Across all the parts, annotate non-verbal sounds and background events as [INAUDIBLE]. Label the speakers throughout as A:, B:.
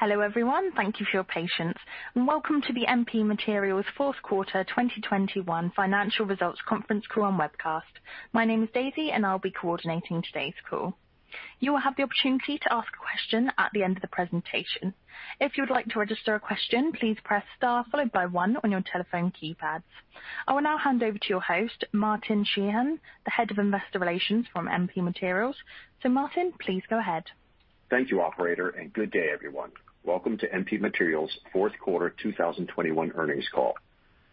A: Hello, everyone. Thank you for your patience, and welcome to the MP Materials' Fourth Quarter 2021 Financial Results Conference Call and Webcast. My name is Daisy, and I'll be coordinating today's call. You will have the opportunity to ask a question at the end of the presentation. If you'd like to register a question, please press star followed by one on your telephone keypads. I will now hand over to your host, Martin Sheehan, the Head of Investor Relations from MP Materials. Mr. Martin, please go ahead.
B: Thank you, operator, and good day, everyone. Welcome to MP Materials' fourth quarter 2021 earnings call.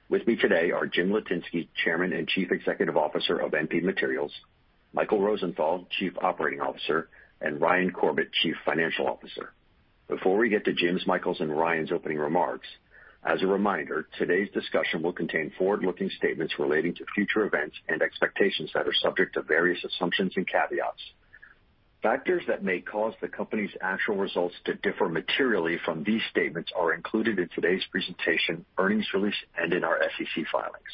B: With me today are Jim Litinsky, Chairman and Chief Executive Officer of MP Materials, Michael Rosenthal, Chief Operating Officer, and Ryan Corbett, Chief Financial Officer. Before we get to Jim's, Michael's, and Ryan's opening remarks, as a reminder, today's discussion will contain forward-looking statements relating to future events and expectations that are subject to various assumptions and caveats. Factors that may cause the company's actual results to differ materially from these statements are included in today's presentation, earnings release, and in our SEC filings.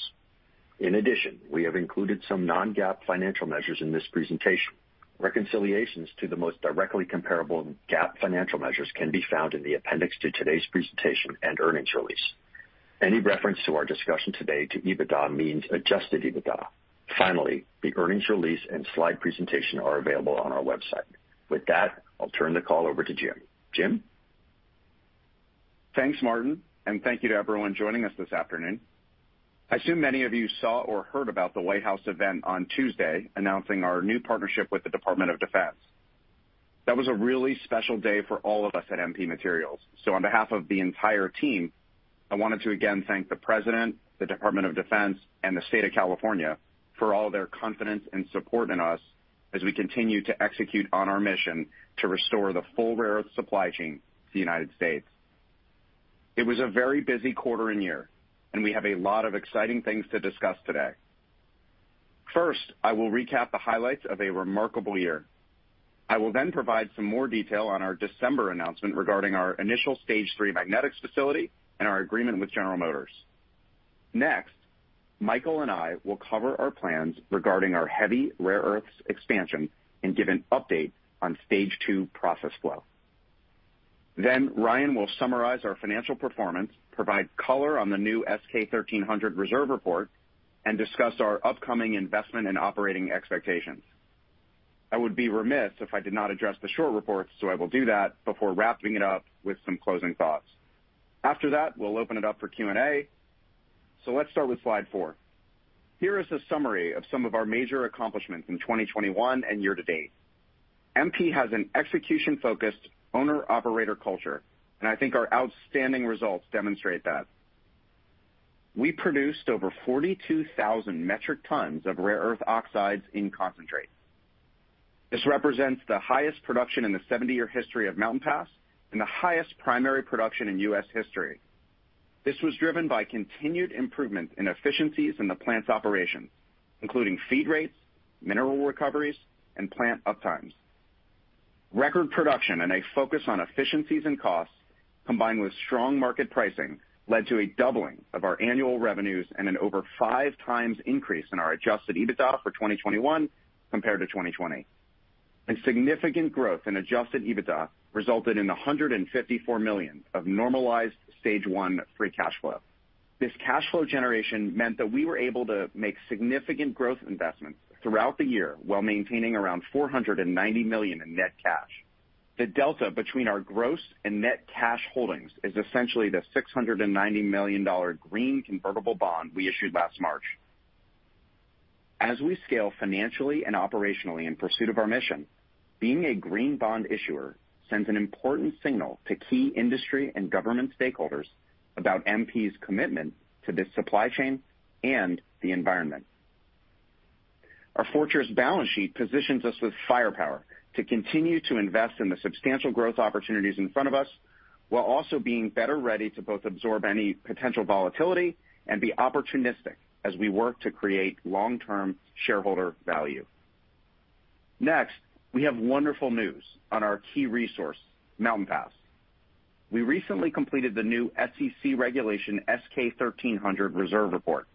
B: In addition, we have included some non-GAAP financial measures in this presentation. Reconciliations to the most directly comparable GAAP financial measures can be found in the appendix to today's presentation and earnings release. Any reference to our discussion today to EBITDA means adjusted EBITDA. Finally, the earnings release and slide presentation are available on our website. With that, I'll turn the call over to Jim. Jim?
C: Thanks, Martin, and thank you to everyone joining us this afternoon. I assume many of you saw or heard about the White House event on Tuesday announcing our new partnership with the Department of Defense. That was a really special day for all of us at MP Materials. On behalf of the entire team, I wanted to again thank the President, the Department of Defense, and the State of California for all their confidence and support in us as we continue to execute on our mission to restore the full rare earth supply chain to the United States. It was a very busy quarter and year, and we have a lot of exciting things to discuss today. First, I will recap the highlights of a remarkable year. I will then provide some more detail on our December announcement regarding our initial Stage III magnetics facility and our agreement with General Motors. Next, Michael and I will cover our plans regarding our heavy rare earths expansion and give an update on Stage II process flow. Then Ryan, will summarize our financial performance, provide color on the new S-K 1300 reserve report, and discuss our upcoming investment and operating expectations. I would be remiss if I did not address the short reports, so I will do that before wrapping it up with some closing thoughts. After that, we'll open it up for Q&A. Let's start with slide four. Here is a summary of some of our major accomplishments in 2021 and year to date. MP has an execution-focused owner-operator culture, and I think our outstanding results demonstrate that. We produced over 42,000 metric tons of rare earth oxides in concentrate. This represents the highest production in the 70-year history of Mountain Pass and the highest primary production in U.S. history. This was driven by continued improvement in efficiencies in the plant's operation, including feed rates, mineral recoveries, and plant uptimes. Record production and a focus on efficiencies and costs, combined with strong market pricing, led to a doubling of our annual revenues and an over five times increase in our adjusted EBITDA for 2021 compared to 2020. Significant growth in adjusted EBITDA resulted in $154 million of normalized Stage I free cash flow. This cash flow generation meant that we were able to make significant growth investments throughout the year while maintaining around $490 million in net cash. The delta between our gross and net cash holdings is essentially the $690 million green convertible bond we issued last March. As we scale financially and operationally in pursuit of our mission, being a green bond issuer sends an important signal to key industry and government stakeholders about MP's commitment to this supply chain and the environment. Our fortress balance sheet positions us with firepower to continue to invest in the substantial growth opportunities in front of us while also being better ready to both absorb any potential volatility and be opportunistic as we work to create long-term shareholder value. Next, we have wonderful news on our key resource, Mountain Pass. We recently completed the new SEC Regulation S-K 1300 reserve report.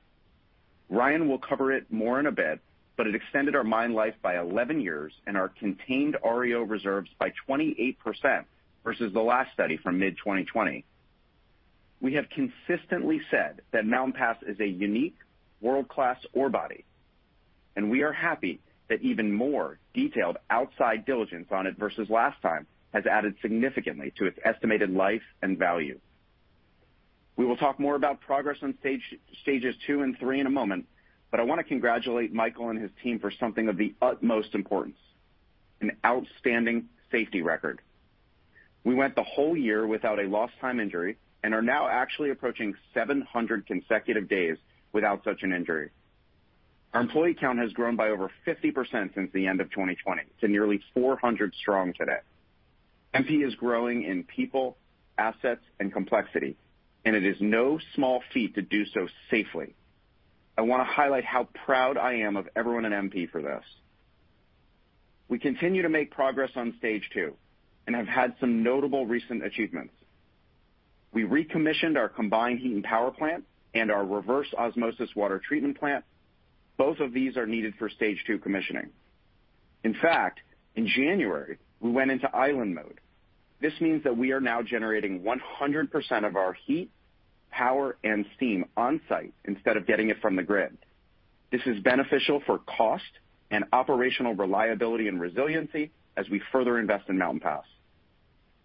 C: Ryan will cover it more in a bit, but it extended our mine life by 11 years and our contained REO reserves by 28% versus the last study from mid-2020. We have consistently said that Mountain Pass is a unique world-class ore body, and we are happy that even more detailed outside diligence on it versus last time has added significantly to its estimated life and value. We will talk more about progress on stages two and three in a moment, but I wanna congratulate Michael and his team for something of the utmost importance, an outstanding safety record. We went the whole year without a lost time injury and are now actually approaching 700 consecutive days without such an injury. Our employee count has grown by over 50% since the end of 2020 to nearly 400 strong today. MP is growing in people, assets, and complexity, and it is no small feat to do so safely. I wanna highlight how proud I am of everyone at MP for this. We continue to make progress on Stage II and have had some notable recent achievements. We recommissioned our combined heat and power plant and our reverse osmosis water treatment plant. Both of these are needed for Stage II commissioning. In fact, in January, we went into island mode. This means that we are now generating 100% of our heat, power, and steam on-site instead of getting it from the grid. This is beneficial for cost and operational reliability and resiliency as we further invest in Mountain Pass.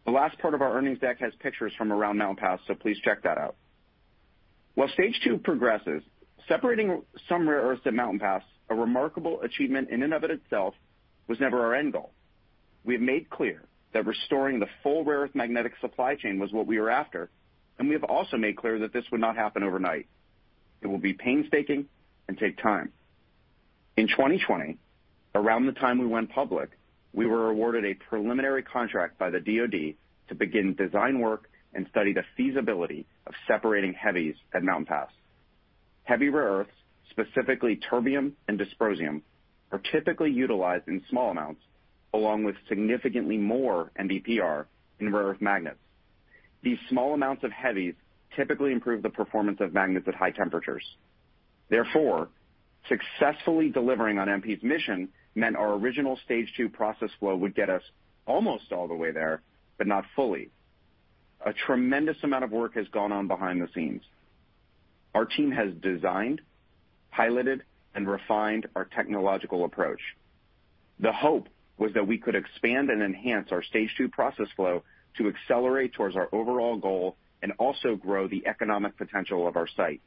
C: The last part of our earnings deck has pictures from around Mountain Pass, so please check that out. While Stage II progresses, separating some rare earths at Mountain Pass, a remarkable achievement in and of itself, was never our end goal. We have made clear that restoring the full rare earth magnetic supply chain was what we were after, and we have also made clear that this would not happen overnight. It will be painstaking and take time. In 2020, around the time we went public, we were awarded a preliminary contract by the DoD to begin design work and study the feasibility of separating heavies at Mountain Pass. Heavy rare earths, specifically terbium and dysprosium, are typically utilized in small amounts, along with significantly more NdPr in rare earth magnets. These small amounts of heavies typically improve the performance of magnets at high temperatures. Therefore, successfully delivering on MP's mission meant our original Stage II process flow would get us almost all the way there, but not fully. A tremendous amount of work has gone on behind the scenes. Our team has designed, piloted, and refined our technological approach. The hope was that we could expand and enhance our Stage II process flow to accelerate towards our overall goal and also grow the economic potential of our site.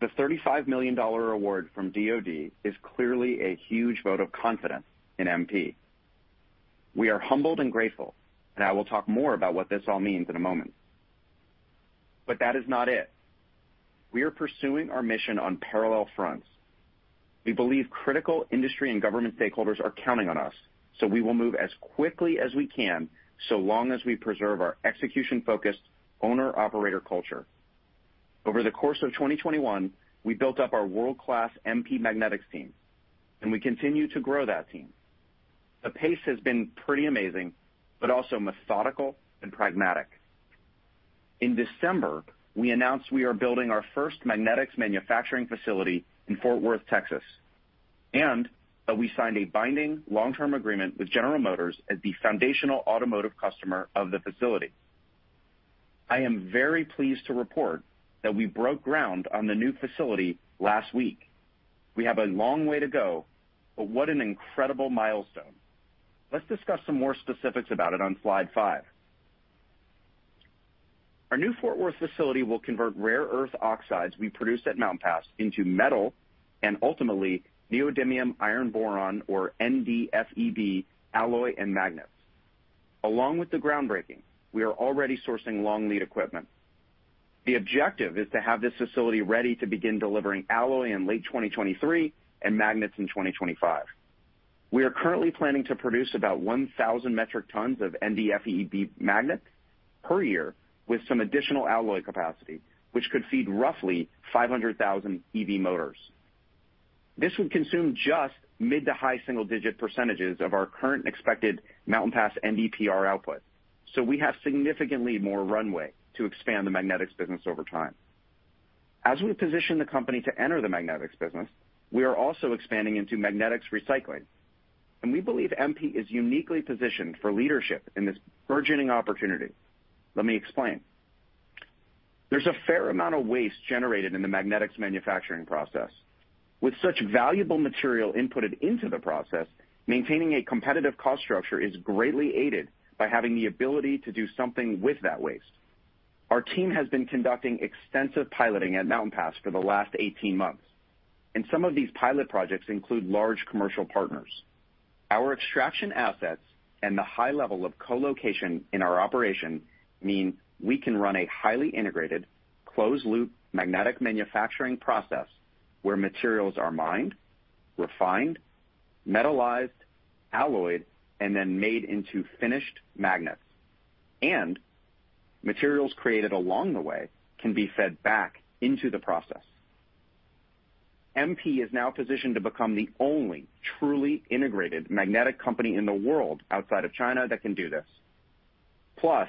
C: The $35 million award from DoD is clearly a huge vote of confidence in MP. We are humbled and grateful, and I will talk more about what this all means in a moment. But that is not it. We are pursuing our mission on parallel fronts. We believe critical industry and government stakeholders are counting on us, so we will move as quickly as we can so long as we preserve our execution-focused owner-operator culture. Over the course of 2021, we built up our world-class MP Magnetics team, and we continue to grow that team. The pace has been pretty amazing, but also methodical and pragmatic. In December, we announced we are building our first magnetics manufacturing facility in Fort Worth, Texas, and that we signed a binding long-term agreement with General Motors as the foundational automotive customer of the facility. I am very pleased to report that we broke ground on the new facility last week. We have a long way to go, but what an incredible milestone. Let's discuss some more specifics about it on slide five. Our new Fort Worth facility will convert rare earth oxides we produce at Mountain Pass into metal and ultimately neodymium iron boron, or NdFeB, alloy and magnets. Along with the groundbreaking, we are already sourcing long lead equipment. The objective is to have this facility ready to begin delivering alloy in late 2023 and magnets in 2025. We are currently planning to produce about 1,000 metric tons of NdFeB magnets per year with some additional alloy capacity, which could feed roughly 500,000 EV motors. This would consume just mid to high single-digit percentages of our current expected Mountain Pass NdPr output. We have significantly more runway to expand the magnetics business over time. As we position the company to enter the magnetics business, we are also expanding into magnetics recycling, and we believe MP is uniquely positioned for leadership in this burgeoning opportunity. Let me explain. There's a fair amount of waste generated in the magnetics manufacturing process. With such valuable material inputted into the process, maintaining a competitive cost structure is greatly aided by having the ability to do something with that waste. Our team has been conducting extensive piloting at Mountain Pass for the last 18 months, and some of these pilot projects include large commercial partners. Our extraction assets and the high level of co-location in our operation mean we can run a highly integrated, closed loop magnetic manufacturing process where materials are mined, refined, metallized, alloyed, and then made into finished magnets. Materials created along the way can be fed back into the process. MP is now positioned to become the only truly integrated magnetic company in the world outside of China that can do this. Plus,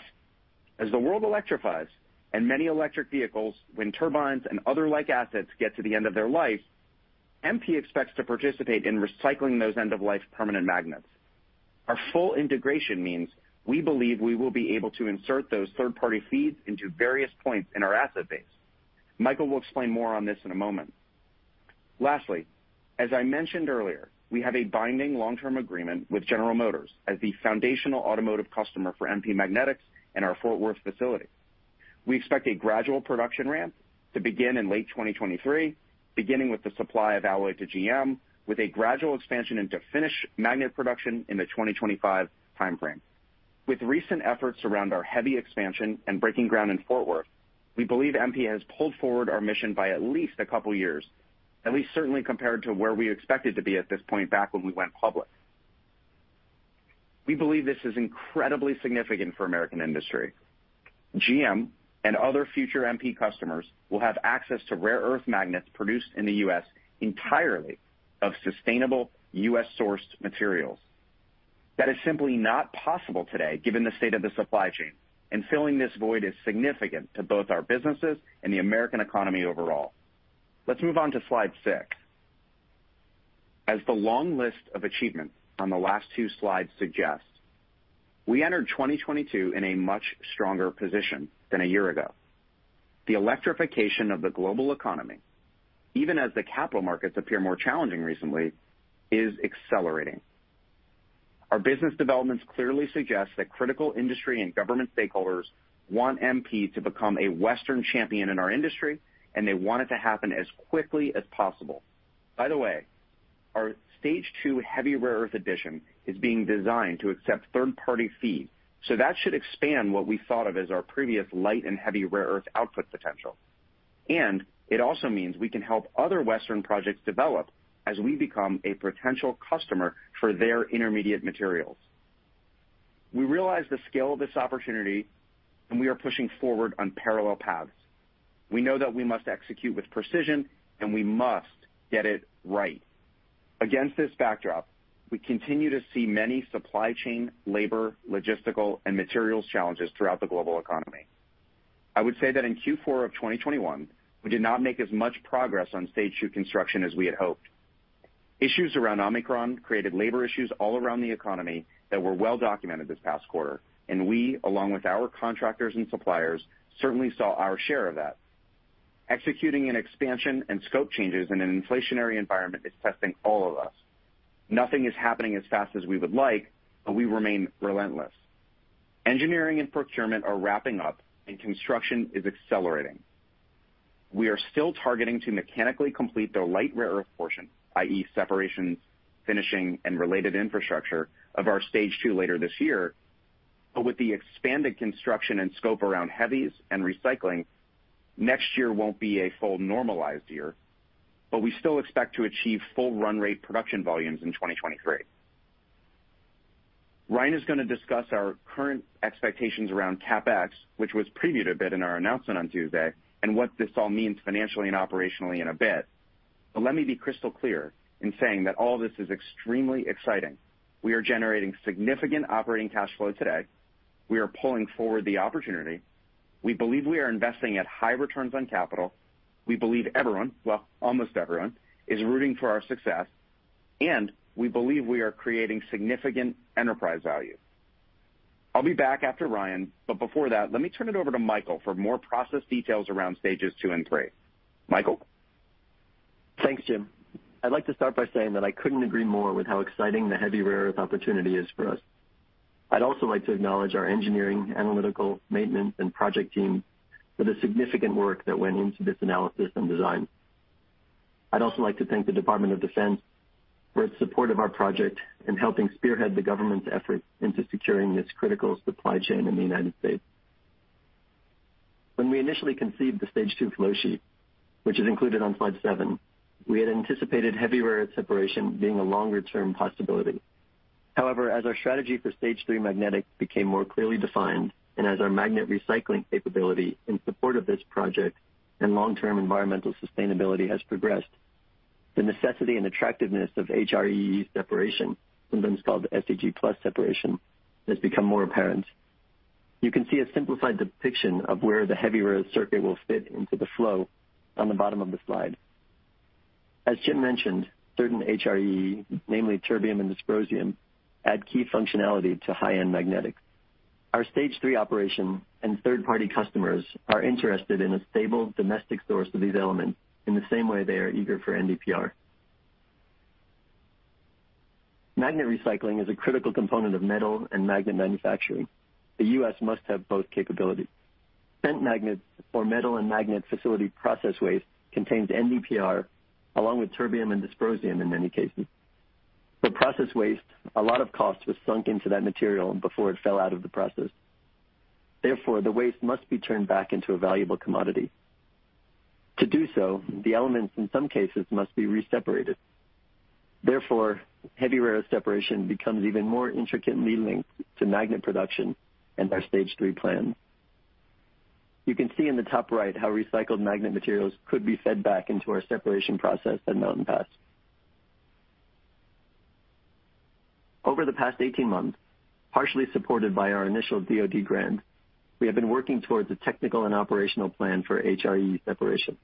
C: as the world electrifies and many electric vehicles, wind turbines, and other like assets get to the end of their life, MP expects to participate in recycling those end-of-life permanent magnets. Our full integration means we believe we will be able to insert those third-party feeds into various points in our asset base. Michael, will explain more on this in a moment. Lastly, as I mentioned earlier, we have a binding long-term agreement with General Motors as the foundational automotive customer for MP Magnetics and our Fort Worth facility. We expect a gradual production ramp to begin in late 2023, beginning with the supply of alloy to GM, with a gradual expansion into finished magnet production in the 2025 timeframe. With recent efforts around our heavy expansion and breaking ground in Fort Worth, we believe MP has pulled forward our mission by at least a couple years, at least certainly compared to where we expected to be at this point back when we went public. We believe this is incredibly significant for American industry. GM and other future MP customers will have access to rare earth magnets produced in the U.S. entirely of sustainable U.S. sourced materials. That is simply not possible today given the state of the supply chain, and filling this void is significant to both our businesses and the American economy overall. Let's move on to slide six. As the long list of achievements on the last two slides suggests, we entered 2022 in a much stronger position than a year ago. The electrification of the global economy, even as the capital markets appear more challenging recently, is accelerating. Our business developments clearly suggest that critical industry and government stakeholders want MP to become a Western champion in our industry, and they want it to happen as quickly as possible. By the way, our Stage II heavy rare earth addition is being designed to accept third-party feed, so that should expand what we thought of as our previous light and heavy rare earth output potential. It also means we can help other Western projects develop as we become a potential customer for their intermediate materials. We realize the scale of this opportunity, and we are pushing forward on parallel paths. We know that we must execute with precision, and we must get it right. Against this backdrop, we continue to see many supply chain, labor, logistical, and materials challenges throughout the global economy. I would say that in Q4 of 2021, we did not make as much progress on Stage II construction as we had hoped. Issues around Omicron created labor issues all around the economy that were well-documented this past quarter, and we, along with our contractors and suppliers, certainly saw our share of that. Executing an expansion and scope changes in an inflationary environment is testing all of us. Nothing is happening as fast as we would like, but we remain relentless. Engineering and procurement are wrapping up and construction is accelerating. We are still targeting to mechanically complete the light rare earth portion, i.e., separation, finishing, and related infrastructure of our Stage II later this year. With the expanded construction and scope around heavies and recycling, next year won't be a full normalized year, but we still expect to achieve full run rate production volumes in 2023. Ryan, is gonna discuss our current expectations around CapEx, which was previewed a bit in our announcement on Tuesday, and what this all means financially and operationally in a bit. Let me be crystal clear in saying that all this is extremely exciting. We are generating significant operating cash flow today. We are pulling forward the opportunity. We believe we are investing at high returns on capital. We believe everyone, well, almost everyone, is rooting for our success, and we believe we are creating significant enterprise value. I'll be back after Ryan, but before that, let me turn it over to Michael for more process details around stages two and three. Michael?
D: Thanks, Jim. I'd like to start by saying that I couldn't agree more with how exciting the heavy rare earth opportunity is for us. I'd also like to acknowledge our engineering, analytical, maintenance, and project team for the significant work that went into this analysis and design. I'd also like to thank the Department of Defense for its support of our project in helping spearhead the government's efforts into securing this critical supply chain in the United States. When we initially conceived the Stage II flow sheet, which is included on slide seven, we had anticipated heavy rare earth separation being a longer-term possibility. However, as our strategy for Stage III magnetics became more clearly defined, and as our magnet recycling capability in support of this project and long-term environmental sustainability has progressed, the necessity and attractiveness of HREE separation, sometimes called SEG+ separation, has become more apparent. You can see a simplified depiction of where the heavy rare earth circuit will fit into the flow on the bottom of the slide. As Jim mentioned, certain HREE, namely terbium and dysprosium, add key functionality to high-end magnetics. Our Stage III operation and third-party customers are interested in a stable domestic source of these elements in the same way they are eager for NdPr. Magnet recycling is a critical component of metal and magnet manufacturing. The U.S. must have both capabilities. Spent magnets or metal and magnet facility process waste contains NdPr along with terbium and dysprosium in many cases. For process waste, a lot of cost was sunk into that material before it fell out of the process. Therefore, the waste must be turned back into a valuable commodity. To do so, the elements in some cases must be re-separated. Therefore, heavy rare earth separation becomes even more intricately linked to magnet production and our Stage III plan. You can see in the top right how recycled magnet materials could be fed back into our separation process at Mountain Pass. Over the past 18 months, partially supported by our initial DoD grant, we have been working towards a technical and operational plan for HREE separation.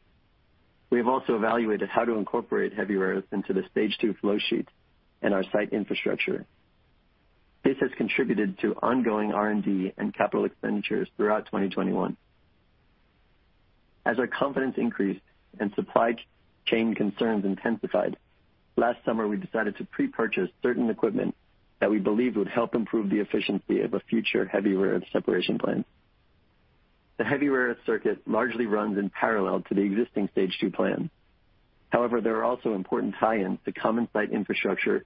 D: We have also evaluated how to incorporate heavy rare earths into the Stage II flow sheet and our site infrastructure. This has contributed to ongoing R&D and capital expenditures throughout 2021. As our confidence increased and supply chain concerns intensified, last summer, we decided to pre-purchase certain equipment that we believed would help improve the efficiency of a future heavy rare earth separation plan. The heavy rare earth circuit largely runs in parallel to the existing Stage II plan. However, there are also important tie-ins to common site infrastructure,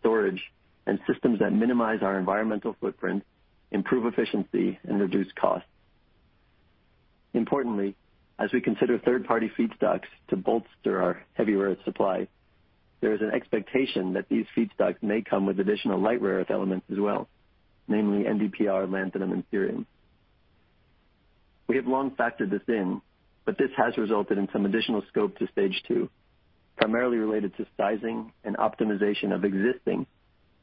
D: storage, and systems that minimize our environmental footprint, improve efficiency, and reduce costs. Importantly, as we consider third-party feedstocks to bolster our heavy rare earth supply, there is an expectation that these feedstocks may come with additional light rare earth elements as well, namely NdPr, lanthanum, and cerium. We have long factored this in, but this has resulted in some additional scope to Stage II, primarily related to sizing and optimization of existing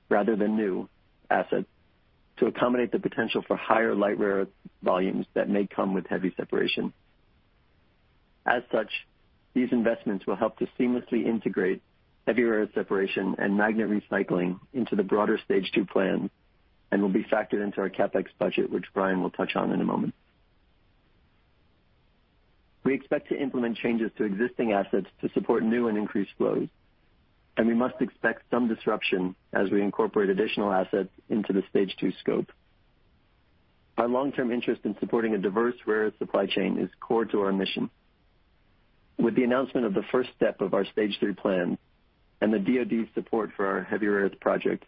D: rather than new assets to accommodate the potential for higher light rare earth volumes that may come with heavy separation. As such, these investments will help to seamlessly integrate heavy rare earth separation and magnet recycling into the broader Stage II plan and will be factored into our CapEx budget, which Ryan, will touch on in a moment. We expect to implement changes to existing assets to support new and increased flows, and we must expect some disruption as we incorporate additional assets into the Stage II scope. Our long-term interest in supporting a diverse rare earth supply chain is core to our mission. With the announcement of the first step of our Stage III plan and the DoD support for our heavy rare earth project,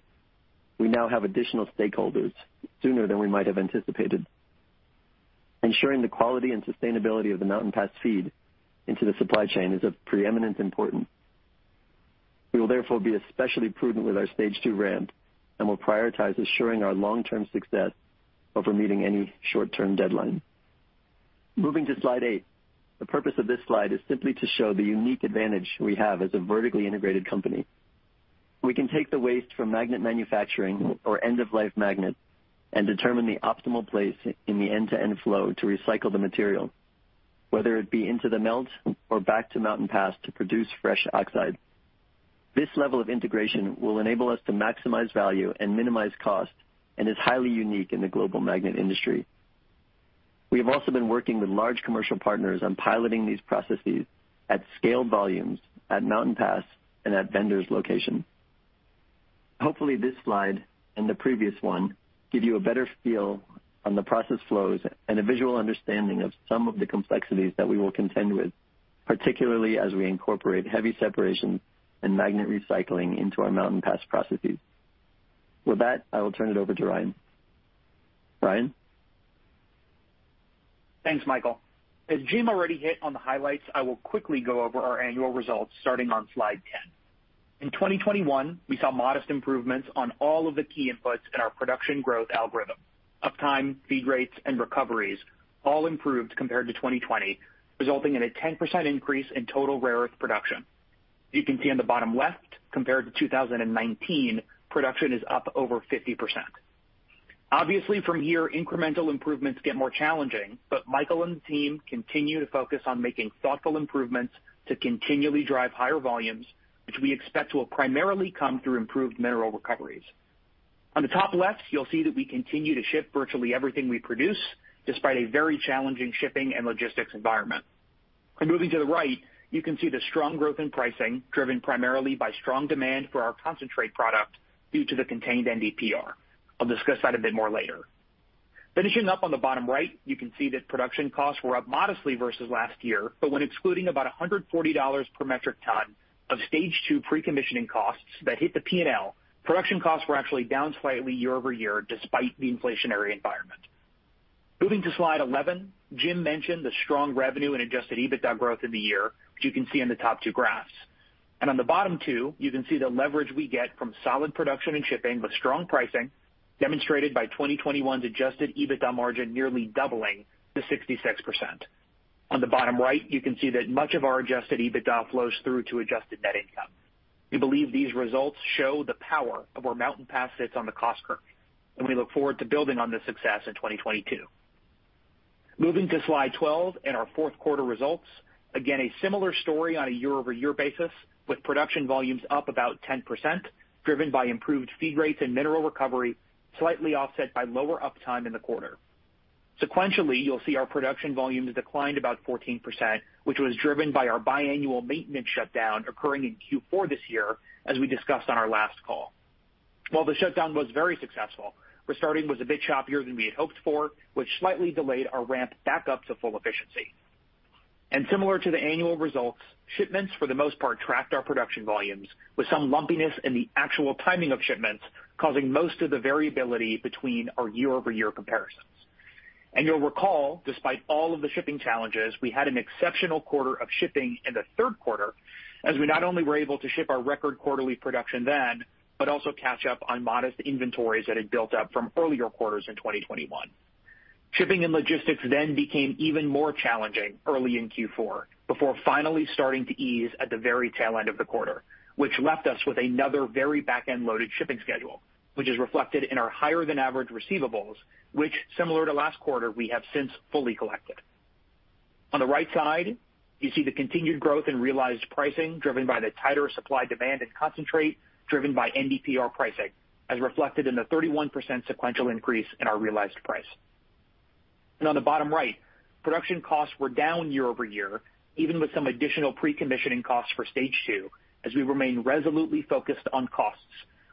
D: we now have additional stakeholders sooner than we might have anticipated. Ensuring the quality and sustainability of the Mountain Pass feed into the supply chain is of preeminent importance. We will therefore be especially prudent with our Stage II ramp, and we'll prioritize assuring our long-term success over meeting any short-term deadline. Moving to slide eight. The purpose of this slide is simply to show the unique advantage we have as a vertically integrated company. We can take the waste from magnet manufacturing or end-of-life magnets and determine the optimal place in the end-to-end flow to recycle the material, whether it be into the melt or back to Mountain Pass to produce fresh oxide. This level of integration will enable us to maximize value and minimize cost, and is highly unique in the global magnet industry. We have also been working with large commercial partners on piloting these processes at scale volumes at Mountain Pass and at vendors' locations. Hopefully, this slide and the previous one give you a better feel on the process flows and a visual understanding of some of the complexities that we will contend with, particularly as we incorporate heavy separation and magnet recycling into our Mountain Pass processes. With that, I will turn it over to Ryan. Ryan?
E: Thanks, Michael. As Jim already hit on the highlights, I will quickly go over our annual results starting on slide 10. In 2021, we saw modest improvements on all of the key inputs in our production growth algorithm. Uptime, feed rates, and recoveries all improved compared to 2020, resulting in a 10% increase in total rare earth production. You can see on the bottom left, compared to 2019, production is up over 50%. Obviously, from here, incremental improvements get more challenging, but Michael, and the team continue to focus on making thoughtful improvements to continually drive higher volumes, which we expect will primarily come through improved mineral recoveries. On the top left, you'll see that we continue to ship virtually everything we produce, despite a very challenging shipping and logistics environment. Moving to the right, you can see the strong growth in pricing, driven primarily by strong demand for our concentrate product due to the contained NdPr. I'll discuss that a bit more later. Finishing up on the bottom right, you can see that production costs were up modestly versus last year, but when excluding about $140 per metric ton of Stage II pre-commissioning costs that hit the P&L, production costs were actually down slightly year over year, despite the inflationary environment. Moving to slide 11. Jim, mentioned the strong revenue and adjusted EBITDA growth in the year, which you can see on the top two graphs. On the bottom two, you can see the leverage we get from solid production and shipping with strong pricing, demonstrated by 2021's adjusted EBITDA margin nearly doubling to 66%. On the bottom right, you can see that much of our adjusted EBITDA flows through to adjusted net income. We believe these results show the power of where Mountain Pass sits on the cost curve, and we look forward to building on this success in 2022. Moving to slide 12 and our fourth quarter results. Again, a similar story on a year-over-year basis, with production volumes up about 10%, driven by improved feed rates and mineral recovery, slightly offset by lower uptime in the quarter. Sequentially, you'll see our production volumes declined about 14%, which was driven by our biannual maintenance shutdown occurring in Q4 this year, as we discussed on our last call. While the shutdown was very successful, restarting was a bit choppier than we had hoped for, which slightly delayed our ramp back up to full efficiency. Similar to the annual results, shipments for the most part tracked our production volumes, with some lumpiness in the actual timing of shipments causing most of the variability between our year-over-year comparisons. You'll recall, despite all of the shipping challenges, we had an exceptional quarter of shipping in the third quarter, as we not only were able to ship our record quarterly production then, but also catch up on modest inventories that had built up from earlier quarters in 2021. Shipping and logistics then became even more challenging early in Q4, before finally starting to ease at the very tail end of the quarter, which left us with another very back-end loaded shipping schedule, which is reflected in our higher than average receivables, which similar to last quarter, we have since fully collected. On the right side, you see the continued growth in realized pricing driven by the tighter supply-demand and concentrate driven by NdPr pricing, as reflected in the 31% sequential increase in our realized price. On the bottom right, production costs were down year-over-year, even with some additional pre-commissioning costs for Stage II, as we remain resolutely focused on costs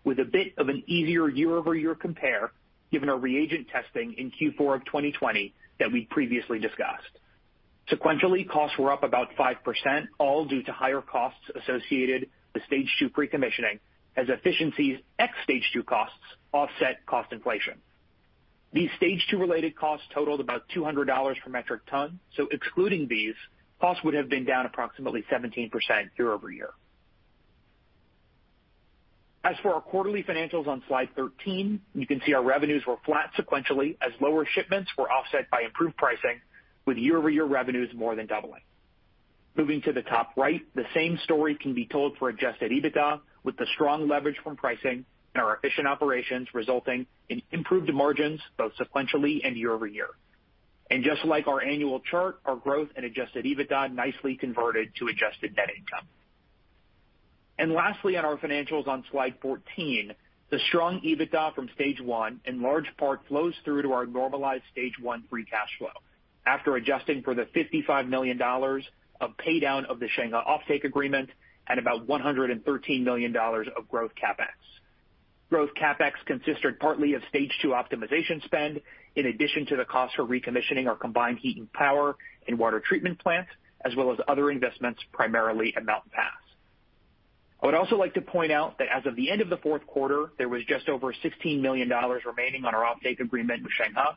E: with a bit of an easier year-over-year compare given our reagent testing in Q4 of 2020 that we previously discussed. Sequentially, costs were up about 5%, all due to higher costs associated with Stage II pre-commissioning as efficiencies ex Stage II costs offset cost inflation. These Stage II related costs totaled about $200 per metric ton, so excluding these, costs would have been down approximately 17% year-over-year. As for our quarterly financials on slide 13, you can see our revenues were flat sequentially as lower shipments were offset by improved pricing with year-over-year revenues more than doubling. Moving to the top right, the same story can be told for adjusted EBITDA with the strong leverage from pricing and our efficient operations resulting in improved margins both sequentially and year-over-year. Just like our annual chart, our growth and adjusted EBITDA nicely converted to adjusted net income. Lastly, on our financials on slide 14, the strong EBITDA from Stage I in large part flows through to our normalized Stage I free cash flow after adjusting for the $55 million of pay down of the Shenghe offtake agreement and about $113 million of growth CapEx. Growth CapEx consisted partly of Stage II optimization spend in addition to the cost for recommissioning our combined heat and power and water treatment plant, as well as other investments, primarily at Mountain Pass. I would also like to point out that as of the end of the fourth quarter, there was just over $16 million remaining on our offtake agreement with Shenghe,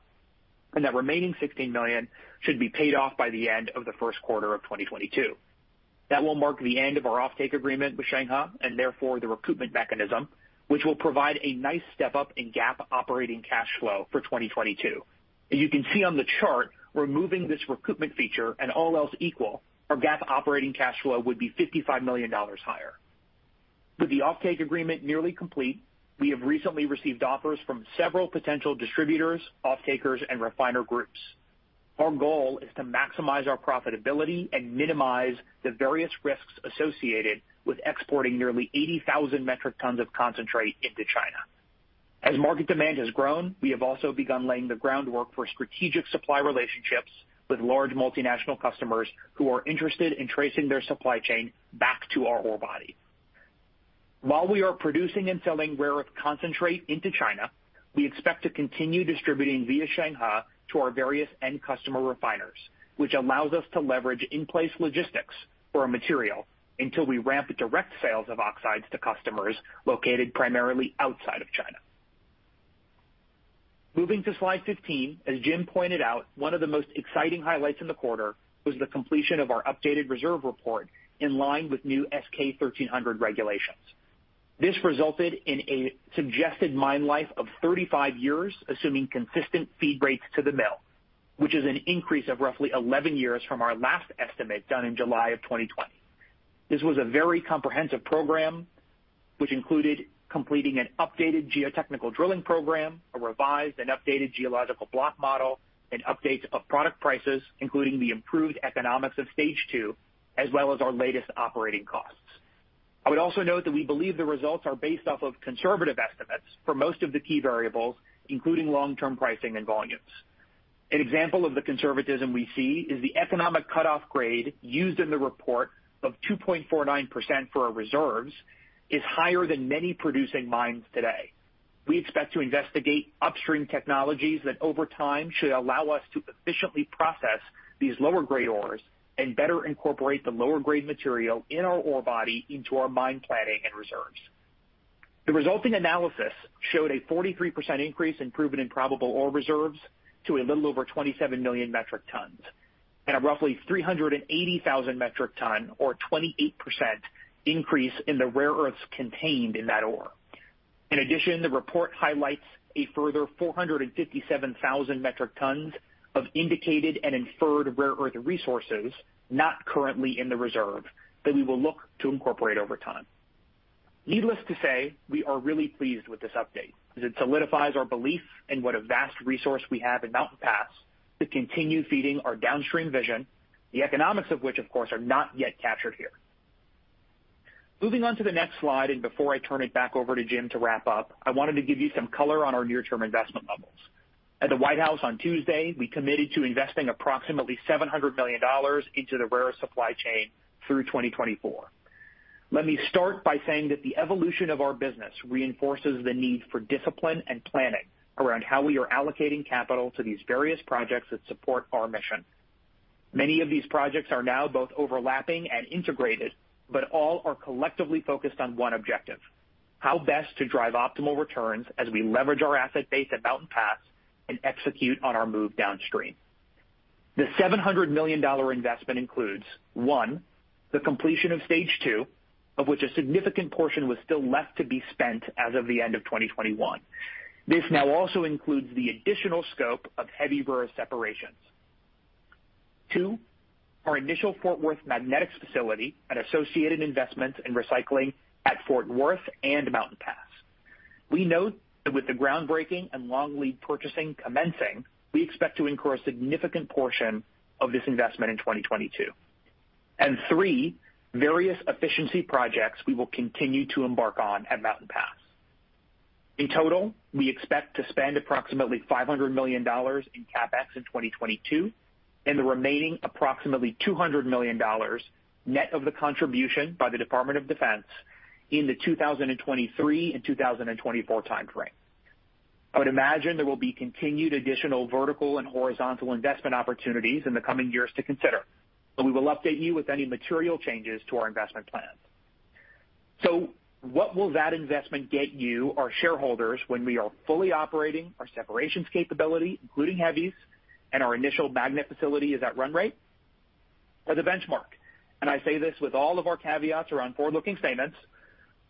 E: and that remaining $16 million should be paid off by the end of the first quarter of 2022. That will mark the end of our offtake agreement with Shenghe, and therefore the recoupment mechanism, which will provide a nice step up in GAAP operating cash flow for 2022. As you can see on the chart, removing this recoupment feature and all else equal, our GAAP operating cash flow would be $55 million higher. With the offtake agreement nearly complete, we have recently received offers from several potential distributors, offtakers, and refiner groups. Our goal is to maximize our profitability and minimize the various risks associated with exporting nearly 80,000 metric tons of concentrate into China. As market demand has grown, we have also begun laying the groundwork for strategic supply relationships with large multinational customers who are interested in tracing their supply chain back to our ore body. While we are producing and selling rare earth concentrate into China, we expect to continue distributing via Shenghe to our various end customer refiners, which allows us to leverage in place logistics for our material until we ramp direct sales of oxides to customers located primarily outside of China. Moving to slide 15, as Jim pointed out, one of the most exciting highlights in the quarter was the completion of our updated reserve report in line with new S-K 1300 regulations. This resulted in a suggested mine life of 35 years, assuming consistent feed rates to the mill, which is an increase of roughly 11 years from our last estimate done in July 2020. This was a very comprehensive program which included completing an updated geotechnical drilling program, a revised and updated geological block model, and updates of product prices, including the improved economics of Stage II, as well as our latest operating costs. I would also note that we believe the results are based off of conservative estimates for most of the key variables, including long-term pricing and volumes. An example of the conservatism we see is the economic cut-off grade used in the report of 2.49% for our reserves is higher than many producing mines today. We expect to investigate upstream technologies that over time should allow us to efficiently process these lower grade ores and better incorporate the lower grade material in our ore body into our mine planning and reserves. The resulting analysis showed a 43% increase in proven and probable ore reserves to a little over 27 million metric tons and a roughly 380,000 metric ton or 28% increase in the rare earths contained in that ore. In addition, the report highlights a further 457,000 metric tons of indicated and inferred rare earth resources not currently in the reserve that we will look to incorporate over time. Needless to say, we are really pleased with this update as it solidifies our belief in what a vast resource we have at Mountain Pass to continue feeding our downstream vision, the economics of which, of course, are not yet captured here. Moving on to the next slide, and before I turn it back over to Jim to wrap up, I wanted to give you some color on our near-term investment levels. At the White House on Tuesday, we committed to investing approximately $700 million into the rare earth supply chain through 2024. Let me start by saying that the evolution of our business reinforces the need for discipline and planning around how we are allocating capital to these various projects that support our mission. Many of these projects are now both overlapping and integrated, but all are collectively focused on one objective. How best to drive optimal returns as we leverage our asset base at Mountain Pass and execute on our move downstream. The $700 million investment includes one, the completion of Stage II, of which a significant portion was still left to be spent as of the end of 2021. This now also includes the additional scope of heavy rare separations. Two, our initial Fort Worth magnetics facility and associated investments in recycling at Fort Worth and Mountain Pass. We note that with the groundbreaking and long lead purchasing commencing, we expect to incur a significant portion of this investment in 2022. Three, various efficiency projects we will continue to embark on at Mountain Pass. In total, we expect to spend approximately $500 million in CapEx in 2022, and the remaining approximately $200 million net of the contribution by the Department of Defense in the 2023 and 2024 time frame. I would imagine there will be continued additional vertical and horizontal investment opportunities in the coming years to consider, but we will update you with any material changes to our investment plans. What will that investment get you, our shareholders, when we are fully operating our separations capability, including heavies, and our initial magnet facility is at run rate? As a benchmark, and I say this with all of our caveats around forward-looking statements,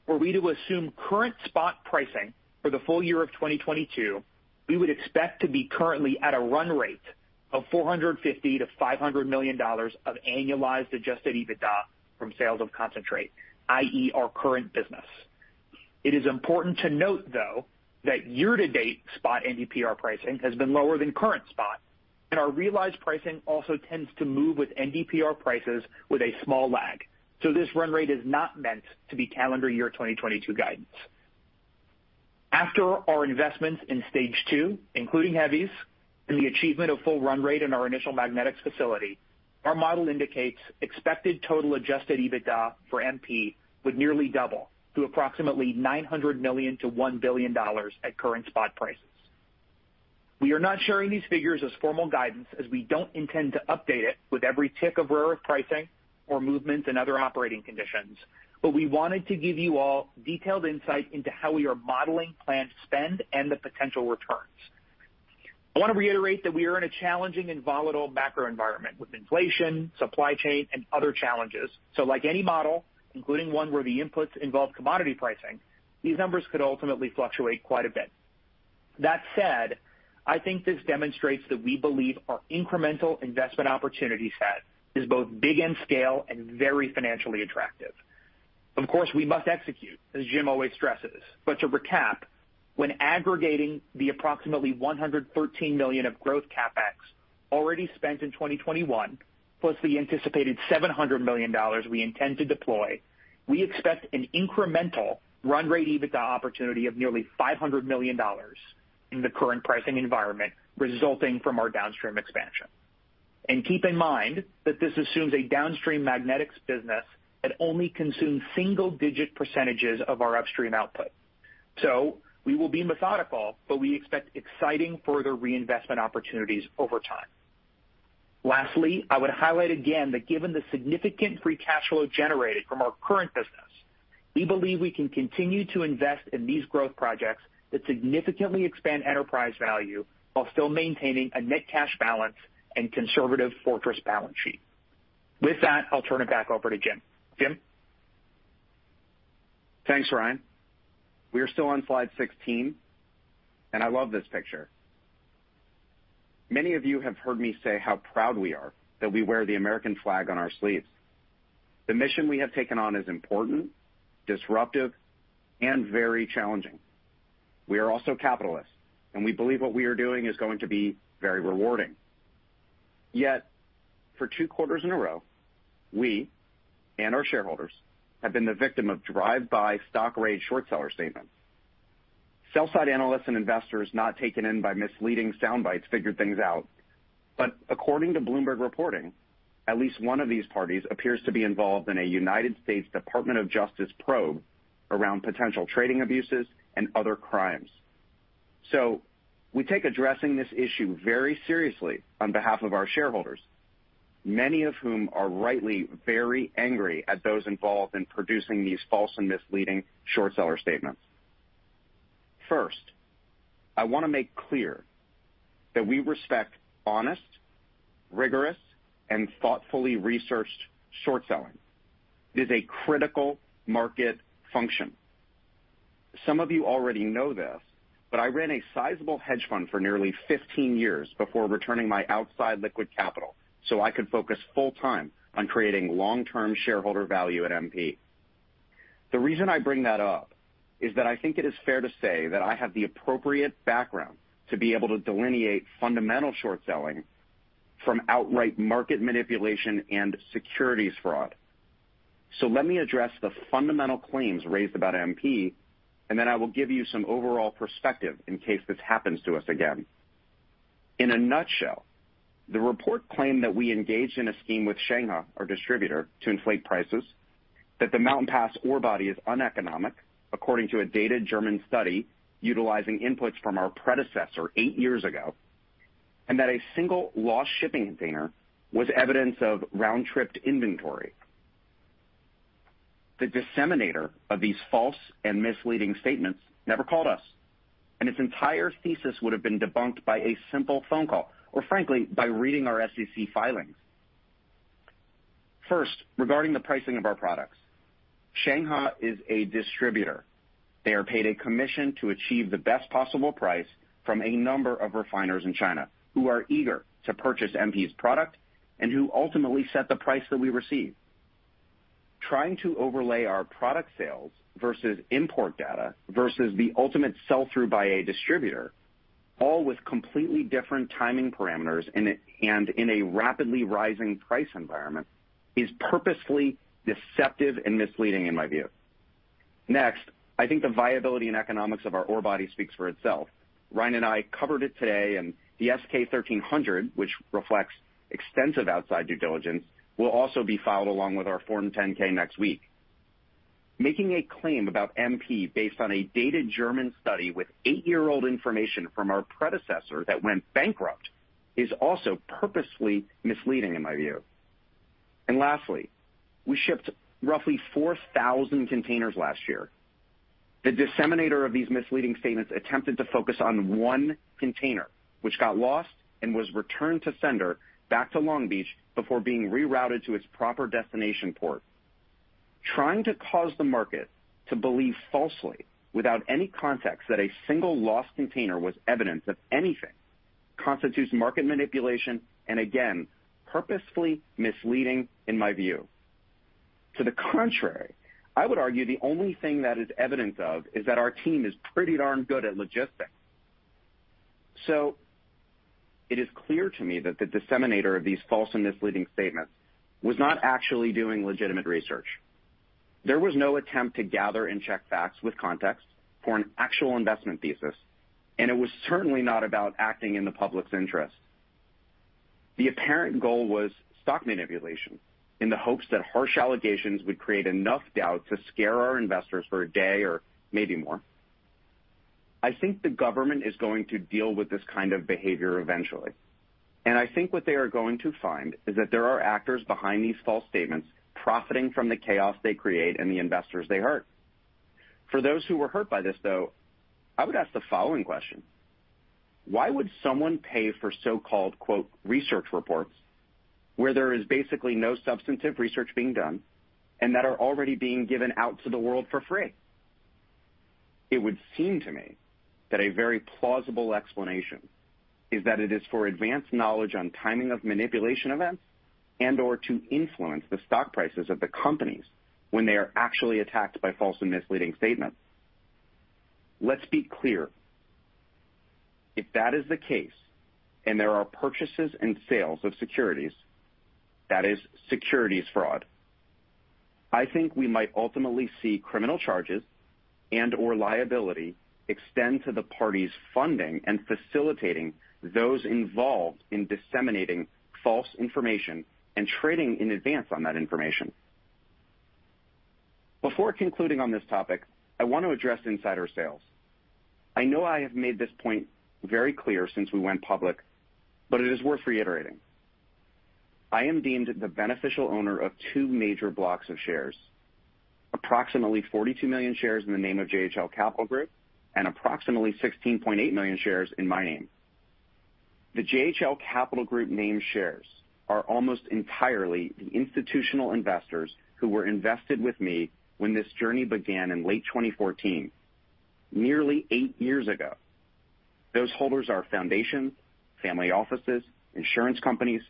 E: were we to assume current spot pricing for the full year of 2022, we would expect to be currently at a run rate of $450 million-$500 million of annualized adjusted EBITDA from sales of concentrate, i.e., our current business. It is important to note, though, that year-to-date spot NdPr pricing has been lower than current spot, and our realized pricing also tends to move with NdPr prices with a small lag. This run rate is not meant to be calendar year 2022 guidance. After our investments in Stage II, including heavies and the achievement of full run rate in our initial magnetics facility, our model indicates expected total adjusted EBITDA for MP would nearly double to approximately $900 million-$1 billion at current spot prices. We are not sharing these figures as formal guidance as we don't intend to update it with every tick of rare earth pricing or movements in other operating conditions. We wanted to give you all detailed insight into how we are modeling planned spend and the potential returns. I wanna reiterate that we are in a challenging and volatile macro environment with inflation, supply chain, and other challenges. Like any model, including one where the inputs involve commodity pricing, these numbers could ultimately fluctuate quite a bit. That said, I think this demonstrates that we believe our incremental investment opportunity set is both big in scale and very financially attractive. Of course, we must execute, as Jim always stresses. To recap, when aggregating the approximately $113 million of growth CapEx already spent in 2021, plus the anticipated $700 million we intend to deploy, we expect an incremental run rate EBITDA opportunity of nearly $500 million in the current pricing environment resulting from our downstream expansion. Keep in mind that this assumes a downstream magnetics business that only consumes single-digit percentages of our upstream output. We will be methodical, but we expect exciting further reinvestment opportunities over time. Lastly, I would highlight again that given the significant free cash flow generated from our current business, we believe we can continue to invest in these growth projects that significantly expand enterprise value while still maintaining a net cash balance and conservative fortress balance sheet. With that, I'll turn it back over to Jim. Jim?
C: Thanks, Ryan. We are still on slide 16, and I love this picture. Many of you have heard me say how proud we are that we wear the American flag on our sleeves. The mission we have taken on is important, disruptive, and very challenging. We are also capitalists, and we believe what we are doing is going to be very rewarding. Yet, for two quarters in a row, we and our shareholders have been the victim of drive-by stock raid short seller statements. Sell-side analysts and investors not taken in by misleading sound bites figured things out. According to Bloomberg reporting, at least one of these parties appears to be involved in a United States Department of Justice probe around potential trading abuses and other crimes. We take addressing this issue very seriously on behalf of our shareholders, many of whom are rightly very angry at those involved in producing these false and misleading short seller statements. First, I wanna make clear that we respect honest, rigorous, and thoughtfully researched short selling. It is a critical market function. Some of you already know this, but I ran a sizable hedge fund for nearly 15 years before returning my outside liquid capital, so I could focus full-time on creating long-term shareholder value at MP. The reason I bring that up is that I think it is fair to say that I have the appropriate background to be able to delineate fundamental short selling from outright market manipulation and securities fraud. Let me address the fundamental claims raised about MP, and then I will give you some overall perspective in case this happens to us again. In a nutshell, the report claimed that we engaged in a scheme with Shenghe, our distributor, to inflate prices, that the Mountain Pass ore body is uneconomic, according to a dated German study utilizing inputs from our predecessor eight years ago, and that a single lost shipping container was evidence of round-tripped inventory. The disseminator of these false and misleading statements never called us, and its entire thesis would have been debunked by a simple phone call or frankly, by reading our SEC filings. First, regarding the pricing of our products, Shenghe is a distributor. They are paid a commission to achieve the best possible price from a number of refiners in China who are eager to purchase MP's product and who ultimately set the price that we receive. Trying to overlay our product sales versus import data versus the ultimate sell-through by a distributor, all with completely different timing parameters in a rapidly rising price environment, is purposefully deceptive and misleading in my view. Next, I think the viability and economics of our ore body speaks for itself. Ryan and I covered it today, and the S-K 1300, which reflects extensive outside due diligence, will also be filed along with our Form 10-K next week. Making a claim about MP based on a dated German study with eight-year-old information from our predecessor that went bankrupt is also purposely misleading in my view. Lastly, we shipped roughly 4,000 containers last year. The disseminator of these misleading statements attempted to focus on one container which got lost and was returned to sender back to Long Beach before being rerouted to its proper destination port. Trying to cause the market to believe falsely, without any context, that a single lost container was evidence of anything constitutes market manipulation, and again, purposefully misleading in my view. To the contrary, I would argue the only thing that is evidence of is that our team is pretty darn good at logistics. It is clear to me that the disseminator of these false and misleading statements was not actually doing legitimate research. There was no attempt to gather and check facts with context for an actual investment thesis, and it was certainly not about acting in the public's interest. The apparent goal was stock manipulation in the hopes that harsh allegations would create enough doubt to scare our investors for a day or maybe more. I think the government is going to deal with this kind of behavior eventually, and I think what they are going to find is that there are actors behind these false statements profiting from the chaos they create and the investors they hurt. For those who were hurt by this, though, I would ask the following question: Why would someone pay for so-called, quote, research reports where there is basically no substantive research being done and that are already being given out to the world for free? It would seem to me that a very plausible explanation is that it is for advanced knowledge on timing of manipulation events and/or to influence the stock prices of the companies when they are actually attacked by false and misleading statements. Let's be clear. If that is the case, and there are purchases and sales of securities, that is securities fraud. I think we might ultimately see criminal charges and/or liability extend to the parties funding and facilitating those involved in disseminating false information and trading in advance on that information. Before concluding on this topic, I want to address insider sales. I know I have made this point very clear since we went public, but it is worth reiterating. I am deemed the beneficial owner of two major blocks of shares. Approximately 42 million shares in the name of JHL Capital Group and approximately 16.8 million shares in my name. The JHL Capital Group named shares are almost entirely the institutional investors who were invested with me when this journey began in late 2014, nearly eight years ago. Those holders are foundations, family offices, insurance companies,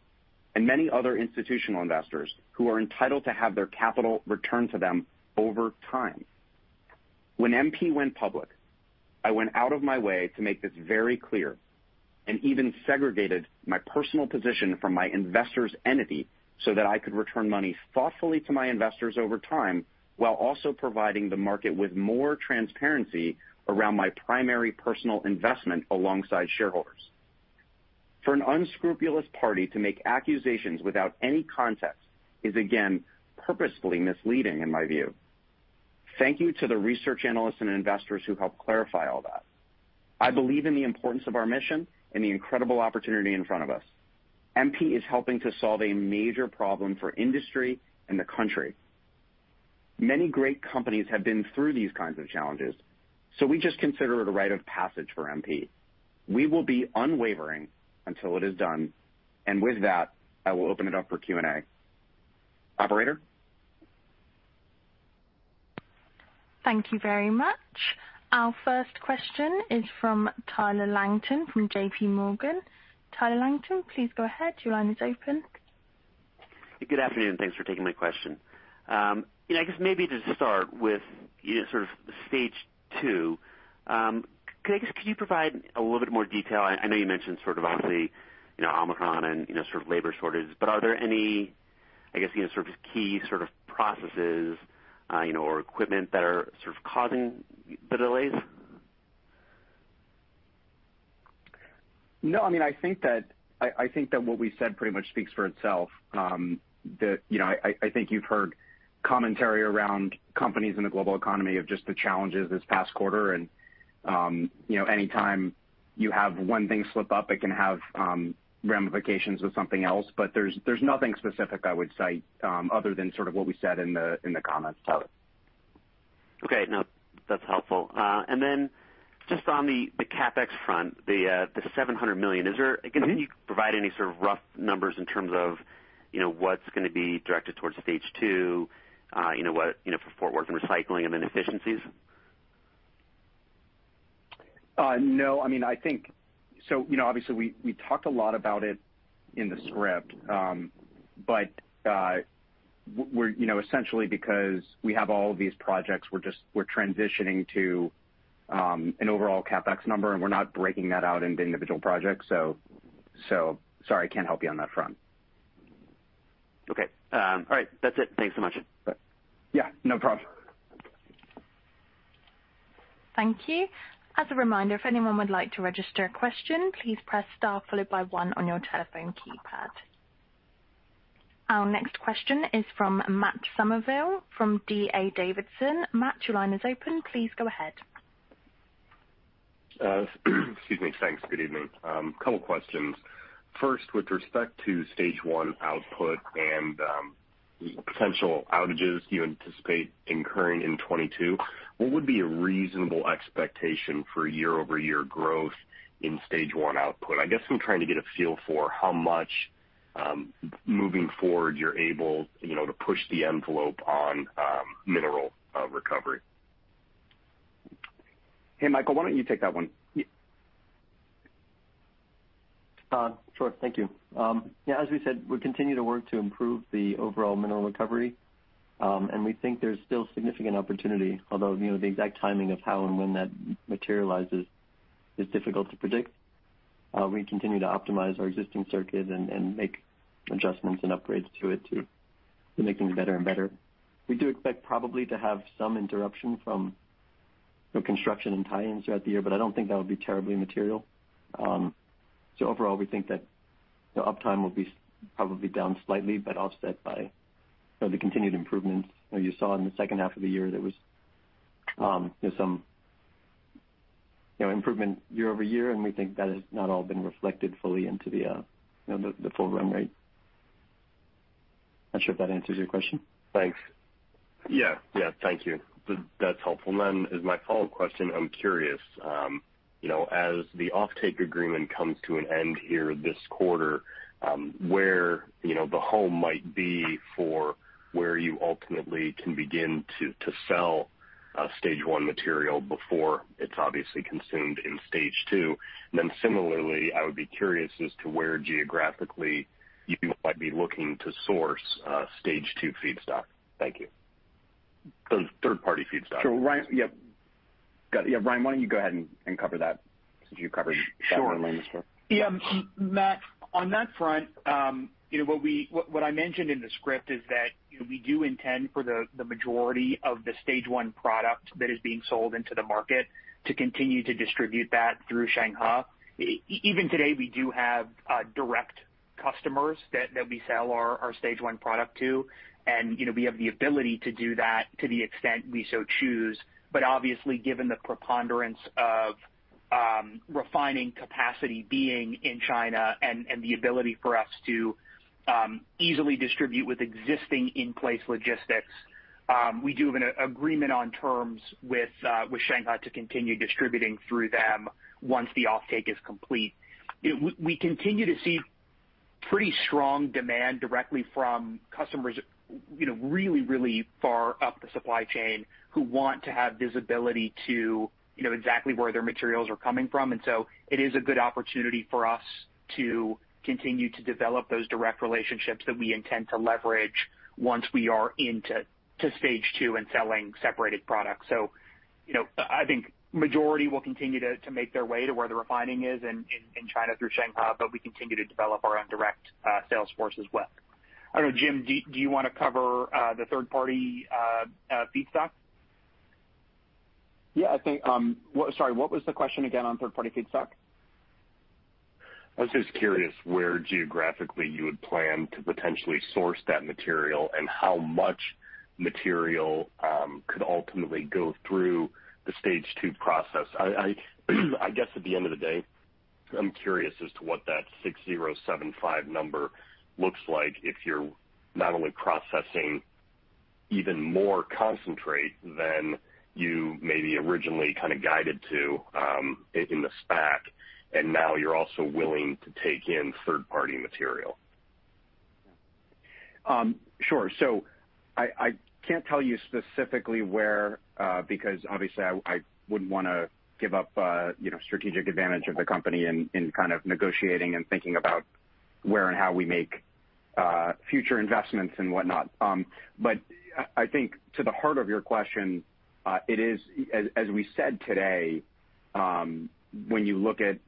C: and many other institutional investors who are entitled to have their capital returned to them over time. When MP went public, I went out of my way to make this very clear and even segregated my personal position from my investors' entity so that I could return money thoughtfully to my investors over time, while also providing the market with more transparency around my primary personal investment alongside shareholders. For an unscrupulous party to make accusations without any context is again, purposefully misleading in my view. Thank you to the research analysts and investors who helped clarify all that. I believe in the importance of our mission and the incredible opportunity in front of us. MP is helping to solve a major problem for industry and the country. Many great companies have been through these kinds of challenges, so we just consider it a rite of passage for MP. We will be unwavering until it is done. With that, I will open it up for Q&A. Operator?
A: Thank you very much. Our first question is from Tyler Langton from JPMorgan. Tyler Langton, please go ahead your line is open.
F: Good afternoon. Thanks for taking my question. You know, I guess maybe to start with sort of Stage II, could you provide a little bit more detail? I know you mentioned sort of obviously, you know, Omicron and, you know, sort of labor shortages, but are there any, I guess, you know, sort of key sort of processes, you know, or equipment that are sort of causing the delays?
C: No, I mean, I think that what we said pretty much speaks for itself. You know, I think you've heard commentary around companies in the global economy of just the challenges this past quarter, and you know, anytime you have one thing slip up, it can have ramifications with something else. There's nothing specific I would cite, other than sort of what we said in the comments.
F: Okay. No, that's helpful. And then just on the CapEx front, the $700 million, is there? Can you provide any sort of rough numbers in terms of, you know, what's gonna be directed towards Stage II, you know, for Fort Worth work and recycling and then efficiencies?
C: No. I mean, I think, you know, obviously we talked a lot about it in the script, but we're, you know, essentially because we have all of these projects, we're transitioning to an overall CapEx number, and we're not breaking that out into individual projects. Sorry, I can't help you on that front.
F: Okay. All right, that's it. Thanks so much.
C: Yeah, no problem.
A: Thank you. As a reminder, if anyone would like to register a question, please press star followed by one on your telephone keypad. Our next question is from Matt Summerville from D.A. Davidson. Matt, your line is open. Please go ahead.
G: Excuse me. Thanks. Good evening. Couple questions. First, with respect to Stage I output and potential outages you anticipate incurring in 2022, what would be a reasonable expectation for year-over-year growth in Stage I output? I guess I'm trying to get a feel for how much moving forward you're able, you know, to push the envelope on mineral recovery.
C: Hey, Michael, why don't you take that one?
D: Sure. Thank you. Yeah, as we said, we continue to work to improve the overall mineral recovery. We think there's still significant opportunity, although, you know, the exact timing of how and when that materializes is difficult to predict. We continue to optimize our existing circuit and make adjustments and upgrades to it to make things better and better. We do expect probably to have some interruption from the construction and tie-ins throughout the year, but I don't think that would be terribly material. Overall, we think that the uptime will be probably down slightly, but offset by the continued improvements you saw in the second half of the year. There was some, you know, improvement year-over-year, and we think that has not all been reflected fully into the full run rate. Not sure if that answers your question.
G: Thanks. Yeah. Thank you. That's helpful. As my follow-up question, I'm curious, you know, as the offtake agreement comes to an end here this quarter, where, you know, the hope might be for where you ultimately can begin to sell Stage I material before it's obviously consumed in Stage II. Similarly, I would be curious as to where geographically you might be looking to source Stage II feedstock, those third-party feedstocks. Thank you.
C: Sure. Ryan. Yep. Yeah, Ryan, why don't you go ahead and cover that since you covered Shenghe earlier in the script.
E: Sure. Yeah, Matt, on that front, what I mentioned in the script is that we do intend for the majority of the Stage I product that is being sold into the market to continue to distribute that through Shenghe. Even today, we do have direct customers that we sell our Stage I product to. We have the ability to do that to the extent we so choose. Obviously, given the preponderance of refining capacity being in China and the ability for us to easily distribute with existing in-place logistics, we do have an agreement on terms with Shenghe to continue distributing through them once the offtake is complete. We continue to see pretty strong demand directly from customers, you know, really, really far up the supply chain who want to have visibility to, you know, exactly where their materials are coming from. It is a good opportunity for us to continue to develop those direct relationships that we intend to leverage once we are into Stage II and selling separated products. You know, I think majority will continue to make their way to where the refining is in China through Shenghe, but we continue to develop our own direct sales force as well. I don't know, Jim, do you wanna cover the third-party feedstock?
C: Yeah, I think. Sorry, what was the question again on third-party feedstock?
G: I was just curious where geographically you would plan to potentially source that material and how much material could ultimately go through the Stage II process. I guess at the end of the day, I'm curious as to what that 6075 number looks like if you're not only processing even more concentrate than you maybe originally kind of guided to, in the SPAC, and now you're also willing to take in third-party material.
C: Sure. I can't tell you specifically where, because obviously I wouldn't wanna give up, you know, strategic advantage of the company in kind of negotiating and thinking about where and how we make future investments and whatnot. I think to the heart of your question, it is, as we said today, when you look at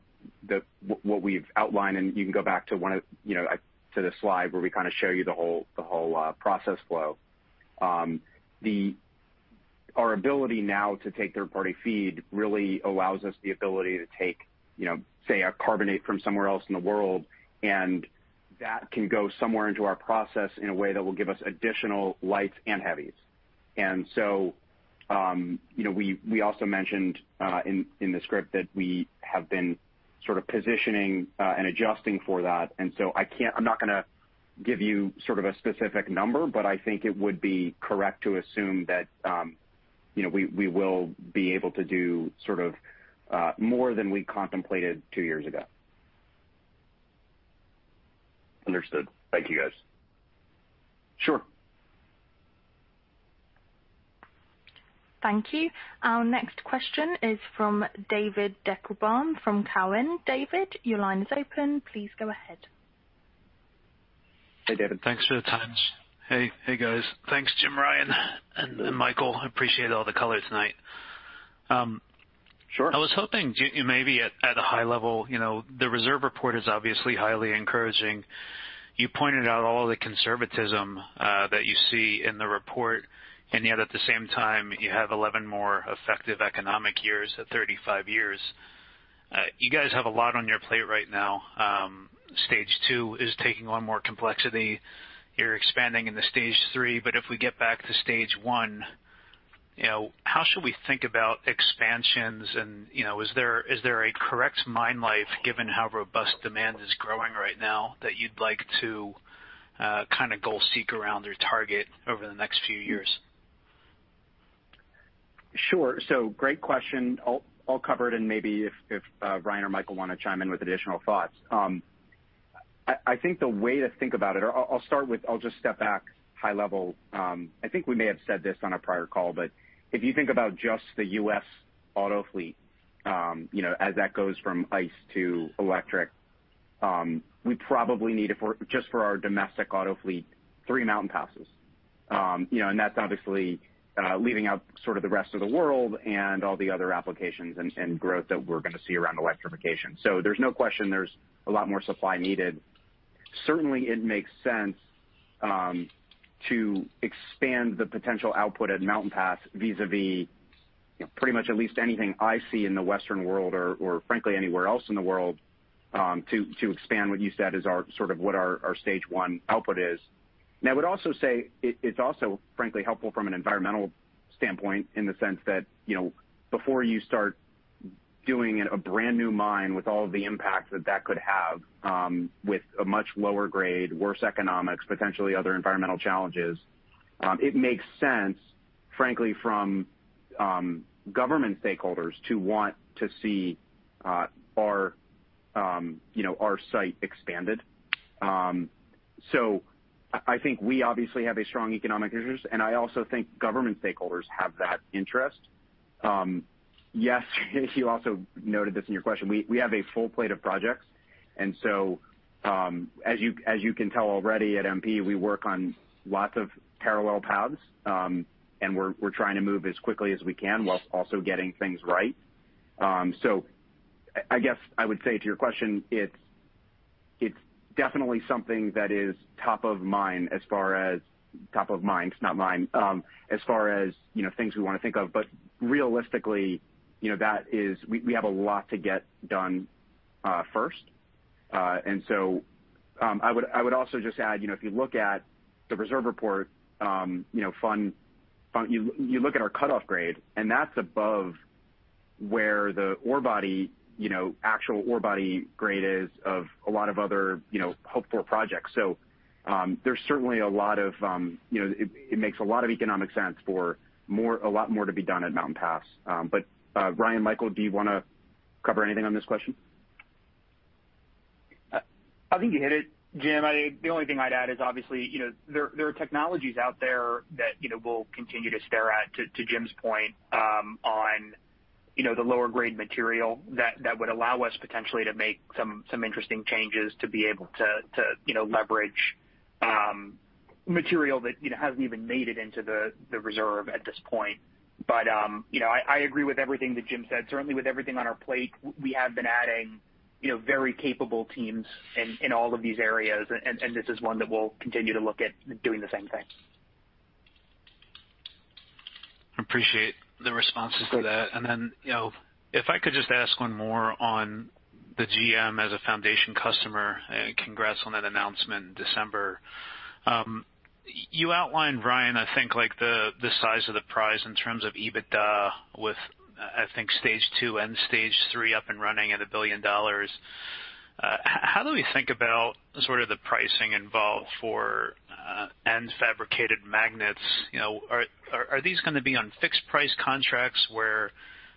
C: what we've outlined, and you can go back to one of, you know, to the slide where we kind of show you the whole process flow. Our ability now to take third-party feed really allows us the ability to take, you know, say, a carbonate from somewhere else in the world, and that can go somewhere into our process in a way that will give us additional lights and heavies. You know, we also mentioned in the script that we have been sort of positioning and adjusting for that. I'm not gonna give you sort of a specific number, but I think it would be correct to assume that, you know, we will be able to do sort of more than we contemplated two years ago.
G: Understood. Thank you, guys.
C: Sure.
A: Thank you. Our next question is from David Deckelbaum from Cowen. David, your line is open. Please go ahead.
C: Hey, David.
H: Thanks for the time. Hey, guys. Thanks, Jim, Ryan, and Michael. I appreciate all the color tonight.
C: Sure.
H: I was hoping maybe at a high level. You know, the reserve report is obviously highly encouraging. You pointed out all the conservatism that you see in the report, and yet at the same time, you have 11 more effective economic years at 35 years. You guys have a lot on your plate right now. Stage II is taking on more complexity. You're expanding in the Stage III, but if we get back to Stage I , you know, how should we think about expansions? You know, is there a correct mine life given how robust demand is growing right now that you'd like to kinda goal seek around or target over the next few years?
C: Sure. Great question. I'll cover it and maybe if Ryan or Michael wanna chime in with additional thoughts. I think the way to think about it, or I'll start with, I'll just step back high level. I think we may have said this on a prior call, but if you think about just the U.S. auto fleet, you know, as that goes from Ice-to-Electric, we probably need it just for our domestic auto fleet, three Mountain Passes. You know, and that's obviously leaving out sort of the rest of the world and all the other applications and growth that we're gonna see around electrification. There's no question there's a lot more supply needed. Certainly it makes sense to expand the potential output at Mountain Pass vis-a-vis, you know, pretty much at least anything I see in the Western world or frankly anywhere else in the world, to expand what you said is our Stage I output. I would also say it's also frankly helpful from an environmental standpoint in the sense that, you know, before you start doing a brand new mine with all of the impacts that that could have, with a much lower grade, worse economics, potentially other environmental challenges, it makes sense, frankly, from government stakeholders to want to see our site expanded. I think we obviously have a strong economic interest, and I also think government stakeholders have that interest. Yes, you also noted this in your question. We have a full plate of projects, and so, as you can tell already at MP, we work on lots of parallel paths, and we're trying to move as quickly as we can while also getting things right. I guess I would say to your question, it's definitely something that is top of mind as far as top of minds, not mind, as far as, you know, things we wanna think of. Realistically, you know, that is, we have a lot to get done, first. I would also just add, you know, if you look at the reserve report, you know, you look at our cutoff grade, and that's above where the ore body, you know, actual ore body grade is of a lot of other, you know, hopeful projects. It makes a lot of economic sense for more, a lot more to be done at Mountain Pass. Ryan, Michael, do you wanna cover anything on this question?
E: I think you hit it, Jim. The only thing I'd add is obviously, you know, there are technologies out there that, you know, we'll continue to stare at, to Jim's point, on, you know, the lower grade material that would allow us potentially to make some interesting changes to be able to, you know, leverage material that, you know, hasn't even made it into the reserve at this point. You know, I agree with everything that Jim said. Certainly with everything on our plate, we have been adding, you know, very capable teams in all of these areas. This is one that we'll continue to look at doing the same thing.
H: Appreciate the responses to that. Then, you know, if I could just ask one more on the GM as a foundation customer, and congrats on that announcement in December. You outlined, Ryan, I think like the size of the prize in terms of EBITDA with I think Stage II and Stage III up and running at $1 billion. How do we think about sort of the pricing involved for end fabricated magnets? You know, are these gonna be on fixed price contracts where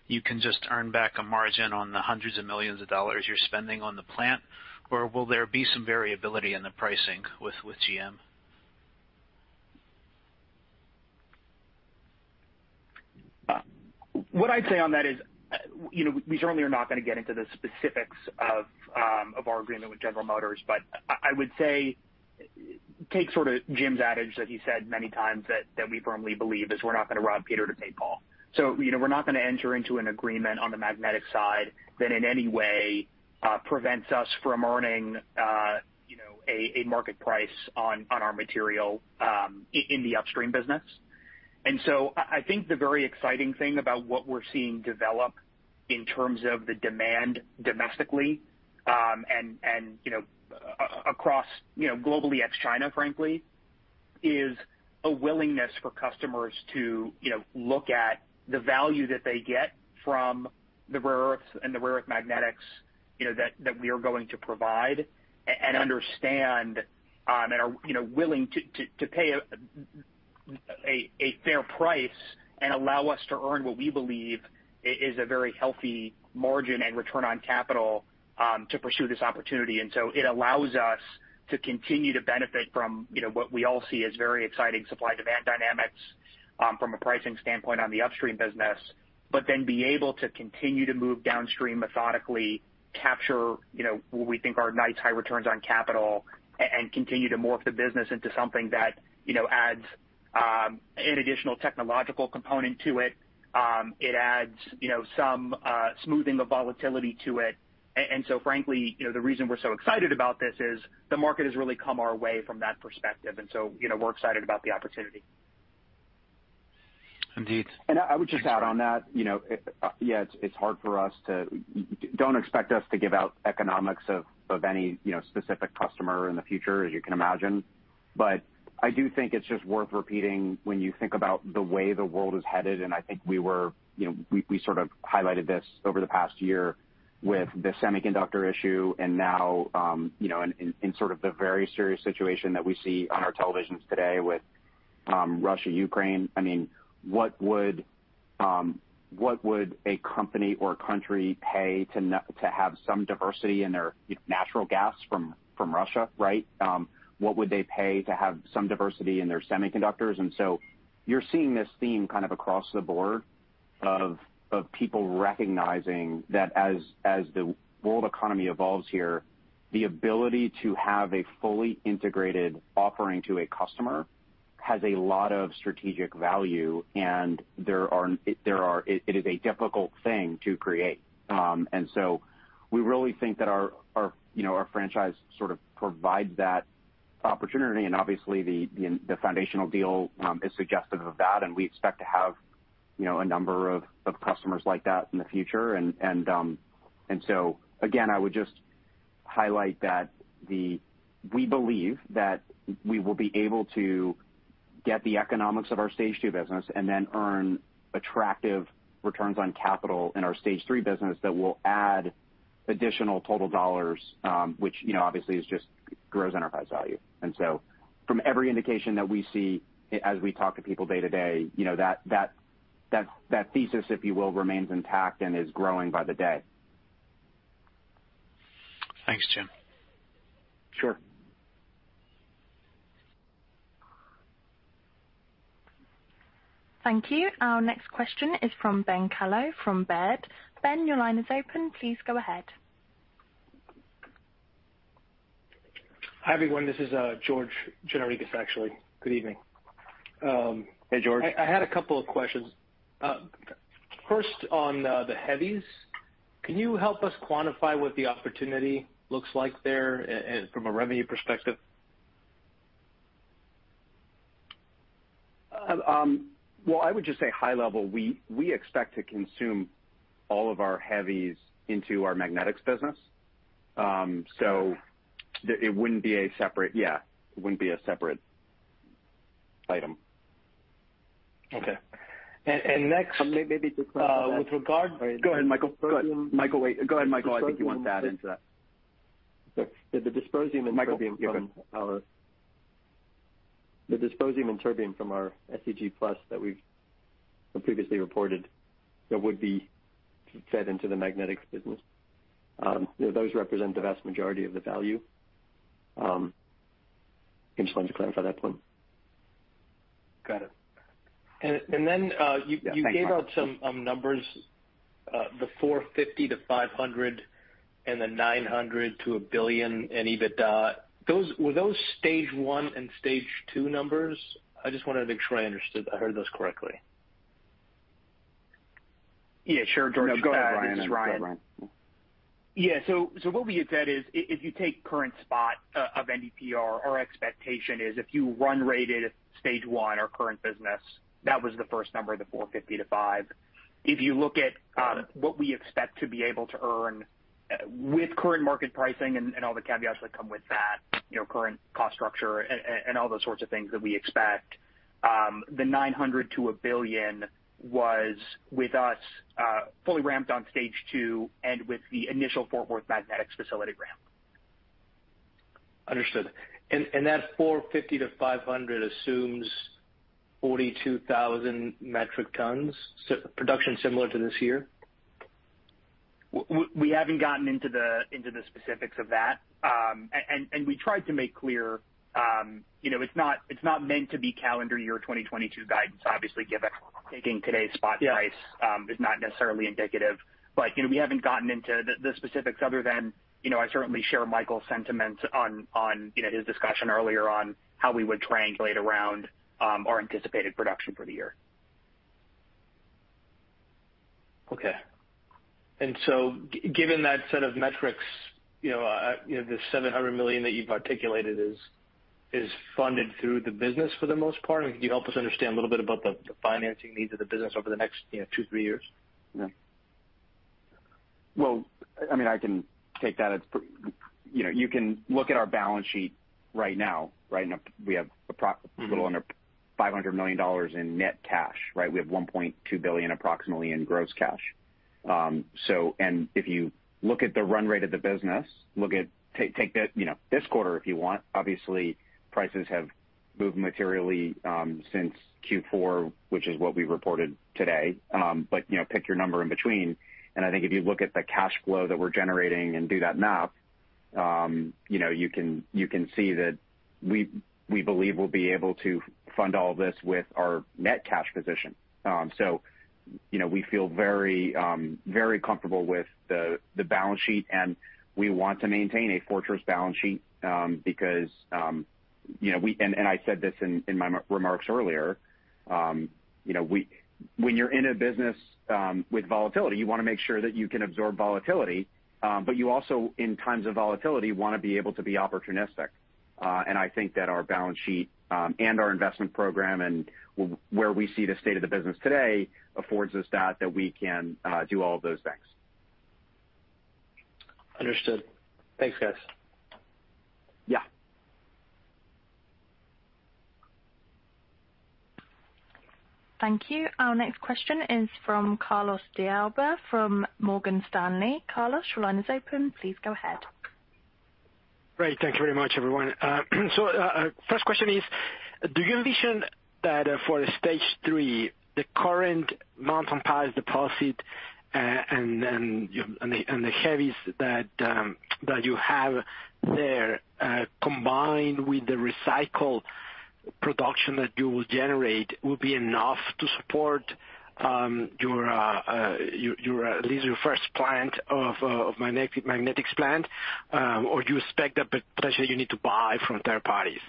H: you can just earn back a margin on the hundreds of millions of dollars you're spending on the plant? Or will there be some variability in the pricing with GM?
E: What I'd say on that is, you know, we certainly are not gonna get into the specifics of our agreement with General Motors. I would say take sort of Jim's adage that he said many times that we firmly believe is we're not gonna rob Peter to pay Paul. You know, we're not gonna enter into an agreement on the magnetic side that in any way prevents us from earning, you know, a market price on our material in the upstream business. I think the very exciting thing about what we're seeing develop in terms of the demand domestically, and you know, across, you know, globally ex China frankly, is a willingness for customers to, you know, look at the value that they get from the rare earths and the rare earth magnetics, you know, that we are going to provide and understand, and are, you know, willing to pay a fair price and allow us to earn what we believe is a very healthy margin and return on capital, to pursue this opportunity. It allows us to continue to benefit from, you know, what we all see as very exciting supply-demand dynamics, from a pricing standpoint on the upstream business, but then be able to continue to move downstream methodically, capture, you know, what we think are nice high returns on capital and continue to morph the business into something that, you know, adds an additional technological component to it. It adds, you know, some smoothing of volatility to it. Frankly, you know, the reason we're so excited about this is the market has really come our way from that perspective. We're excited about the opportunity. Indeed.
C: I would just add on that, you know, yeah, it's hard for us to. You don't expect us to give out economics of any, you know, specific customer in the future, as you can imagine. But I do think it's just worth repeating when you think about the way the world is headed, and I think we sort of highlighted this over the past year with the semiconductor issue and now, you know, in sort of the very serious situation that we see on our televisions today with Russia-Ukraine. I mean, what would a company or country pay to have some diversity in their natural gas from Russia, right? What would they pay to have some diversity in their semiconductors? You're seeing this theme kind of across the board of people recognizing that as the world economy evolves here, the ability to have a fully integrated offering to a customer has a lot of strategic value, and there are. It is a difficult thing to create. We really think that our you know our franchise sort of provides that opportunity. Obviously the foundational deal is suggestive of that, and we expect to have you know a number of customers like that in the future. I would just highlight that we believe that we will be able to get the economics of our Stage II business and then earn attractive returns on capital in our Stage III business that will add additional total dollars, which, you know, obviously grows enterprise value. From every indication that we see as we talk to people day to day, you know, that thesis, if you will, remains intact and is growing by the day.
H: Thanks, Jim.
C: Sure.
A: Thank you. Our next question is from Ben Kallo from Baird. Ben, your line is open. Please go ahead.
I: Hi, everyone. This is George Gianarikas, actually. Good evening.
C: Hey, George.
I: I had a couple of questions. First on the heavies, can you help us quantify what the opportunity looks like there and from a revenue perspective?
C: Well, I would just say high level, we expect to consume all of our heavies into our magnetics business. It wouldn't be a separate item.
I: Okay. Next.
E: Maybe just clarify that. [CROSSTALK]
I: With regard
C: Go ahead, Michael. Go ahead. Michael, wait. Go ahead, Michael. I think you want to add into that.
D: The dysprosium and terbium from our SEG+ that we've previously reported that would be fed into the magnetics business, you know, those represent the vast majority of the value. I just wanted to clarify that point.
I: Got it. Then you gave out some numbers, the $450 million-$500 million and the $900 million-$1 billion in EBITDA. Were those Stage I and Stage II numbers? I just wanted to make sure I understood. I heard those correctly.
E: Yeah, sure, George.
C: No, go ahead, Ryan.
E: This is Ryan. So what we had said is if you take current spot of NdPr, our expectation is if you run rated Stage I, our current business, that was the first number, the $450 million-$500 million. If you look at what we expect to be able to earn with current market pricing and all the caveats that come with that, you know, current cost structure and all those sorts of things that we expect, the $900 million-$1 billion was with us fully ramped on Stage II and with the initial Fort Worth magnetics facility ramp.
I: Understood. That $450 million-$500 million assumes 42,000 metric tons, so production similar to this year?
E: We haven't gotten into the specifics of that. And we tried to make clear, you know, it's not meant to be calendar year 2022 guidance, obviously, given taking today's spot price is not necessarily indicative. We haven't gotten into the specifics other than, you know, I certainly share Michael's sentiments on, you know, his discussion earlier on how we would triangulate around our anticipated production for the year.
I: Okay. Given that set of metrics, you know, you know, the $700 million that you've articulated is funded through the business for the most part? Can you help us understand a little bit about the financing needs of the business over the next, you know, two, three years?
C: Yeah. Well, I mean, I can take that. You know, you can look at our balance sheet right now, right? We have approximately a little under $500 million in net cash, right? We have approximately $1.2 billion in gross cash. If you look at the run rate of the business, take this, you know, this quarter if you want. Obviously, prices have moved materially since Q4, which is what we reported today. You know, pick your number in between. I think if you look at the cash flow that we're generating and do that math, you know, you can see that we believe we'll be able to fund all this with our net cash position. You know, we feel very comfortable with the balance sheet, and we want to maintain a fortress balance sheet, because you know, I said this in my remarks earlier, you know, when you're in a business with volatility, you wanna make sure that you can absorb volatility, but you also in times of volatility, wanna be able to be opportunistic. I think that our balance sheet and our investment program and where we see the state of the business today affords us that we can do all of those things.
I: Understood. Thanks, guys.
C: Yeah.
A: Thank you. Our next question is from Carlos de Alba from Morgan Stanley. Carlos, your line is open. Please go ahead.
J: Great. Thank you very much, everyone. First question is, do you envision that for the Stage III, the current Mountain Pass deposit and the heavies that you have there, combined with the recycle production that you will generate, will be enough to support at least your first magnetics plant or do you expect that potentially you need to buy from third parties?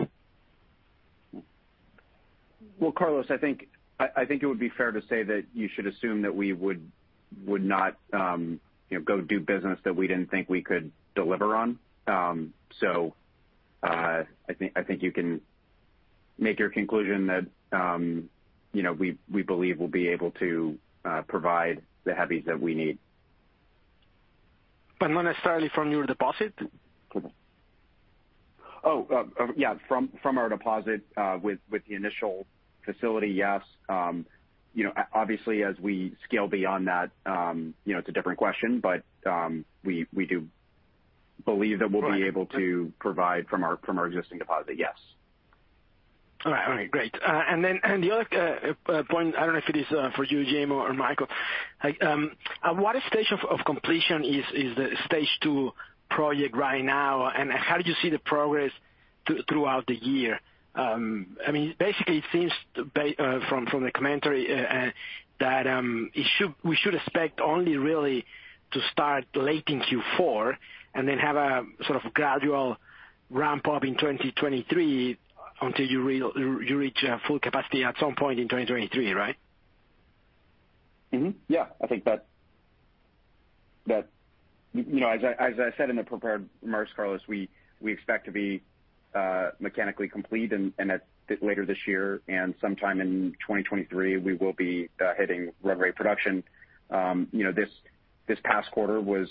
C: Well, Carlos, I think it would be fair to say that you should assume that we would not, you know, go do business that we didn't think we could deliver on. I think you can make your conclusion that, you know, we believe we'll be able to provide the heavies that we need.
J: Not necessarily from your deposit?
C: Yeah, from our deposit with the initial facility, yes. You know, obviously as we scale beyond that, you know, it's a different question. We do believe that we'll be able to provide from our existing deposit, yes.
J: All right, great. Then the other point, I don't know if it is for you, Jim or Michael, what stage of completion is the Stage II project right now, and how do you see the progress throughout the year? I mean, basically it seems from the commentary that we should expect only really to start late in Q4 and then have a sort of gradual ramp up in 2023 until you reach full capacity at some point in 2023, right?
C: I think that. You know, as I said in the prepared remarks, Carlos, we expect to be mechanically complete later this year, and sometime in 2023, we will be hitting run rate production. You know, this past quarter was,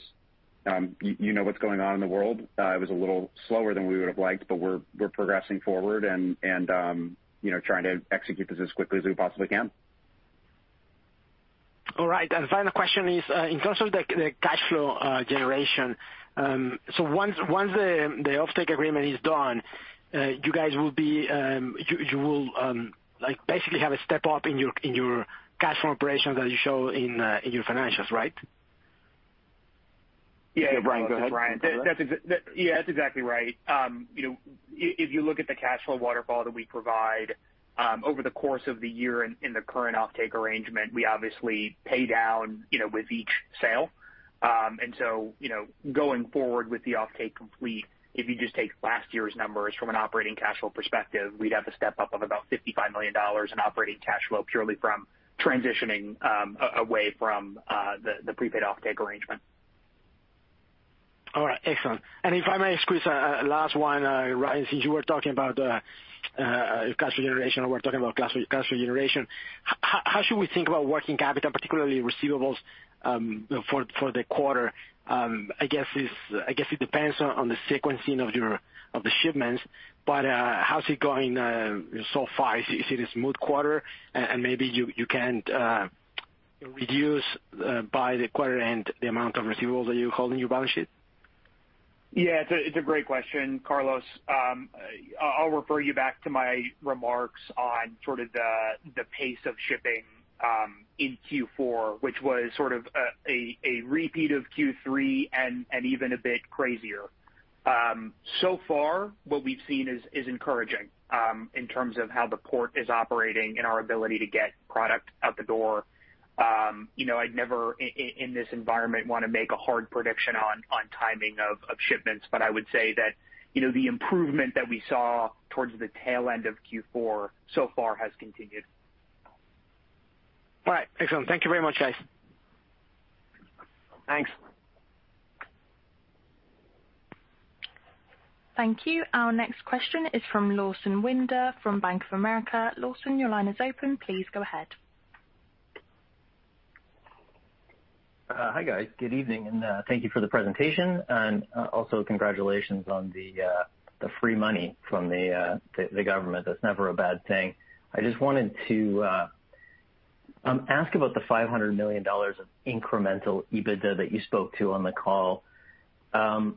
C: you know what's going on in the world. It was a little slower than we would've liked, but we're progressing forward and, you know, trying to execute this as quickly as we possibly can.
J: All right. Final question is in terms of the cash flow generation, so once the offtake agreement is done, you will like basically have a step up in your cash from operations that you show in your financials, right?
E: Yeah.
C: Yeah, Ryan, go ahead. [CROSSTALK]
E: Yeah, that's exactly right. You know, if you look at the cash flow waterfall that we provide over the course of the year in the current offtake arrangement, we obviously pay down, you know, with each sale. You know, going forward with the offtake complete, if you just take last year's numbers from an operating cash flow perspective, we'd have a step up of about $55 million in operating cash flow purely from transitioning away from the prepaid offtake arrangement.
J: All right, excellent. If I may squeeze last one, Ryan, since you were talking about cash generation and we're talking about cash generation, how should we think about working capital, particularly receivables, for the quarter? I guess it depends on the sequencing of the shipments, but how's it going so far? Is it a smooth quarter? Maybe you can reduce by the quarter end the amount of receivables that you hold in your balance sheet?
E: Yeah, it's a great question, Carlos. I'll refer you back to my remarks on sort of the pace of shipping in Q4, which was sort of a repeat of Q3 and even a bit crazier. So far what we've seen is encouraging in terms of how the port is operating and our ability to get product out the door. You know, I'd never in this environment wanna make a hard prediction on timing of shipments. I would say that, you know, the improvement that we saw towards the tail end of Q4 so far has continued.
J: All right. Excellent. Thank you very much, guys.
E: Thanks.
A: Thank you. Our next question is from Lawson Winder from Bank of America. Lawson, your line is open. Please go ahead.
K: Hi, guys. Good evening, and thank you for the presentation and also congratulations on the free money from the government. That's never a bad thing. I just wanted to ask about the $500 million of incremental EBITDA that you spoke to on the call. So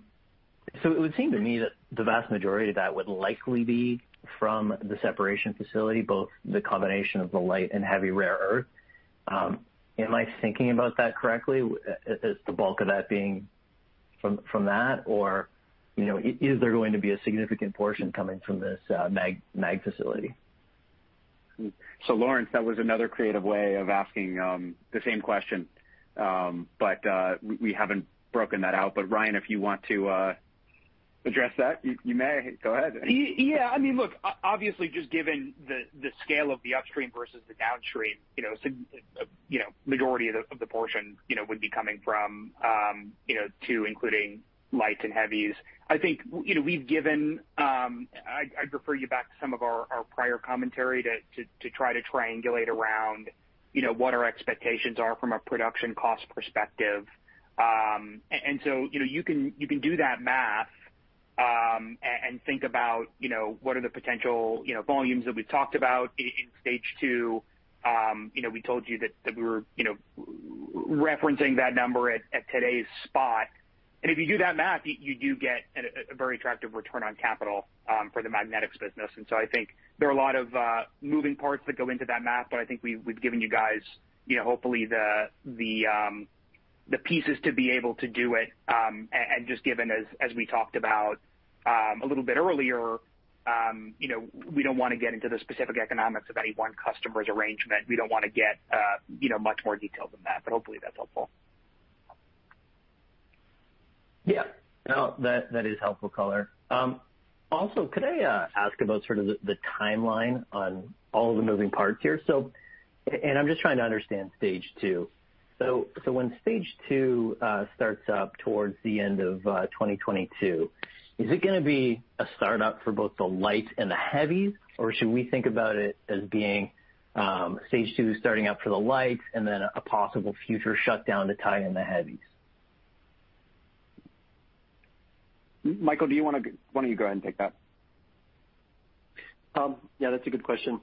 K: it would seem to me that the vast majority of that would likely be from the separation facility, both the combination of the light and heavy rare earth. Am I thinking about that correctly? Is the bulk of that being from that? Or, you know, is there going to be a significant portion coming from this mag facility?
C: Lawson, that was another creative way of asking the same question. We haven't broken that out. Ryan, if you want to address that? You may go ahead.
E: Yeah. I mean, look, obviously just given the scale of the upstream versus the downstream, you know, majority of the portion would be coming from, you know, too including lights and heavies. I think, you know, we've given. I'd refer you back to some of our prior commentary to try to triangulate around, you know, what our expectations are from a production cost perspective. You can do that math and think about, you know, what are the potential volumes that we've talked about in Stage II. You know, we told you that we were referencing that number at today's spot. If you do that math, you do get a very attractive return on capital for the magnetics business. I think there are a lot of moving parts that go into that math, but I think we've given you guys, you know, hopefully the pieces to be able to do it. Just given as we talked about a little bit earlier, you know, we don't wanna get into the specific economics of any one customer's arrangement. We don't wanna get, you know, much more detail than that, but hopefully that's helpful.
K: Yeah. No, that is helpful color. Also, could I ask about sort of the timeline on all the moving parts here? I'm just trying to understand Stage II. When Stage II starts up towards the end of 2022, is it gonna be a startup for both the lights and the heavies, or should we think about it as being Stage II starting up for the lights and then a possible future shutdown to tie in the heavies?
E: Michael, why don't you go ahead and take that?
D: Yeah, that's a good question.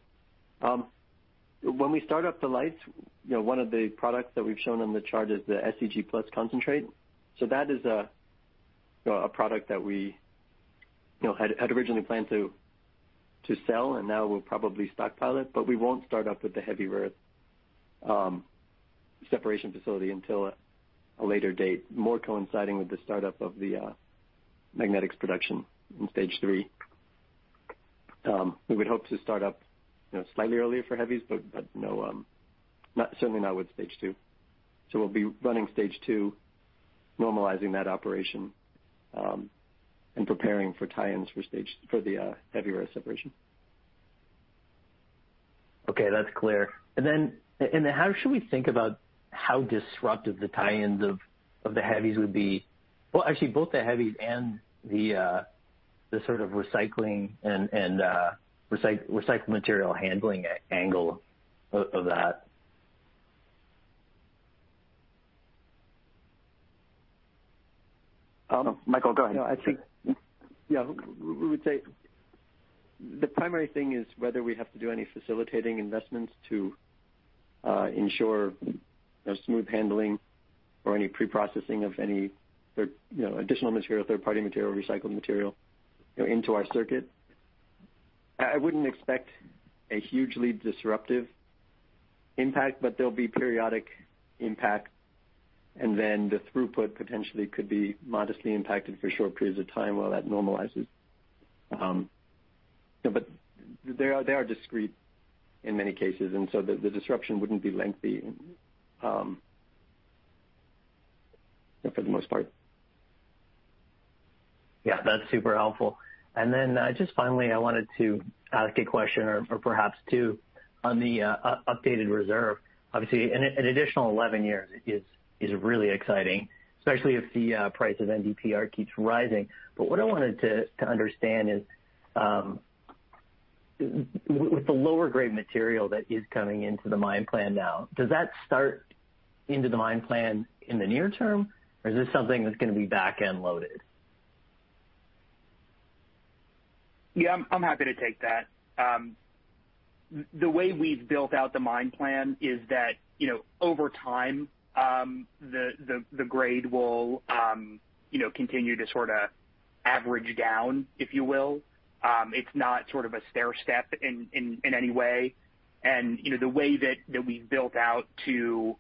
D: When we start up the light rare earths, you know, one of the products that we've shown on the chart is the SEG+ concentrate. That is a product that we, you know, had originally planned to sell and now we'll probably stockpile it, but we won't start up with the heavy rare earth separation facility until a later date, more coinciding with the start of the magnetics production in Stage III. We would hope to start up, you know, slightly earlier for heavies, but no, certainly not with Stage II. We'll be running Stage II, normalizing that operation, and preparing for tie-ins for the heavy rare earth separation.
K: Okay, that's clear. How should we think about how disruptive the tie-in of the heavies would be? Well, actually both the heavies and the sort of recycling and recycled material handling angle of that.
C: Michael, go ahead.
D: No, I think. Yeah.Yeah. We would say the primary thing is whether we have to do any facilitating investments to ensure, you know, smooth handling or any preprocessing of any third-party material, recycled material, you know, into our circuit. I wouldn't expect a hugely disruptive impact, but there'll be periodic impact, and then the throughput potentially could be modestly impacted for short periods of time while that normalizes. You know, they are discrete in many cases, and so the disruption wouldn't be lengthy, you know, for the most part.
K: Yeah, that's super helpful. Just finally, I wanted to ask a question or perhaps two on the updated reserve. Obviously, an additional 11 years is really exciting, especially if the price of NdPr keeps rising. What I wanted to understand is, with the lower grade material that is coming into the mine plan now, does that start into the mine plan in the near term, or is this something that's gonna be back-end loaded?
E: Yeah, I'm happy to take that. The way we've built out the mine plan is that, you know, over time, the grade will, you know, continue to sorta average down, if you will. It's not sort of a stairstep in any way. You know, the way that we've built out to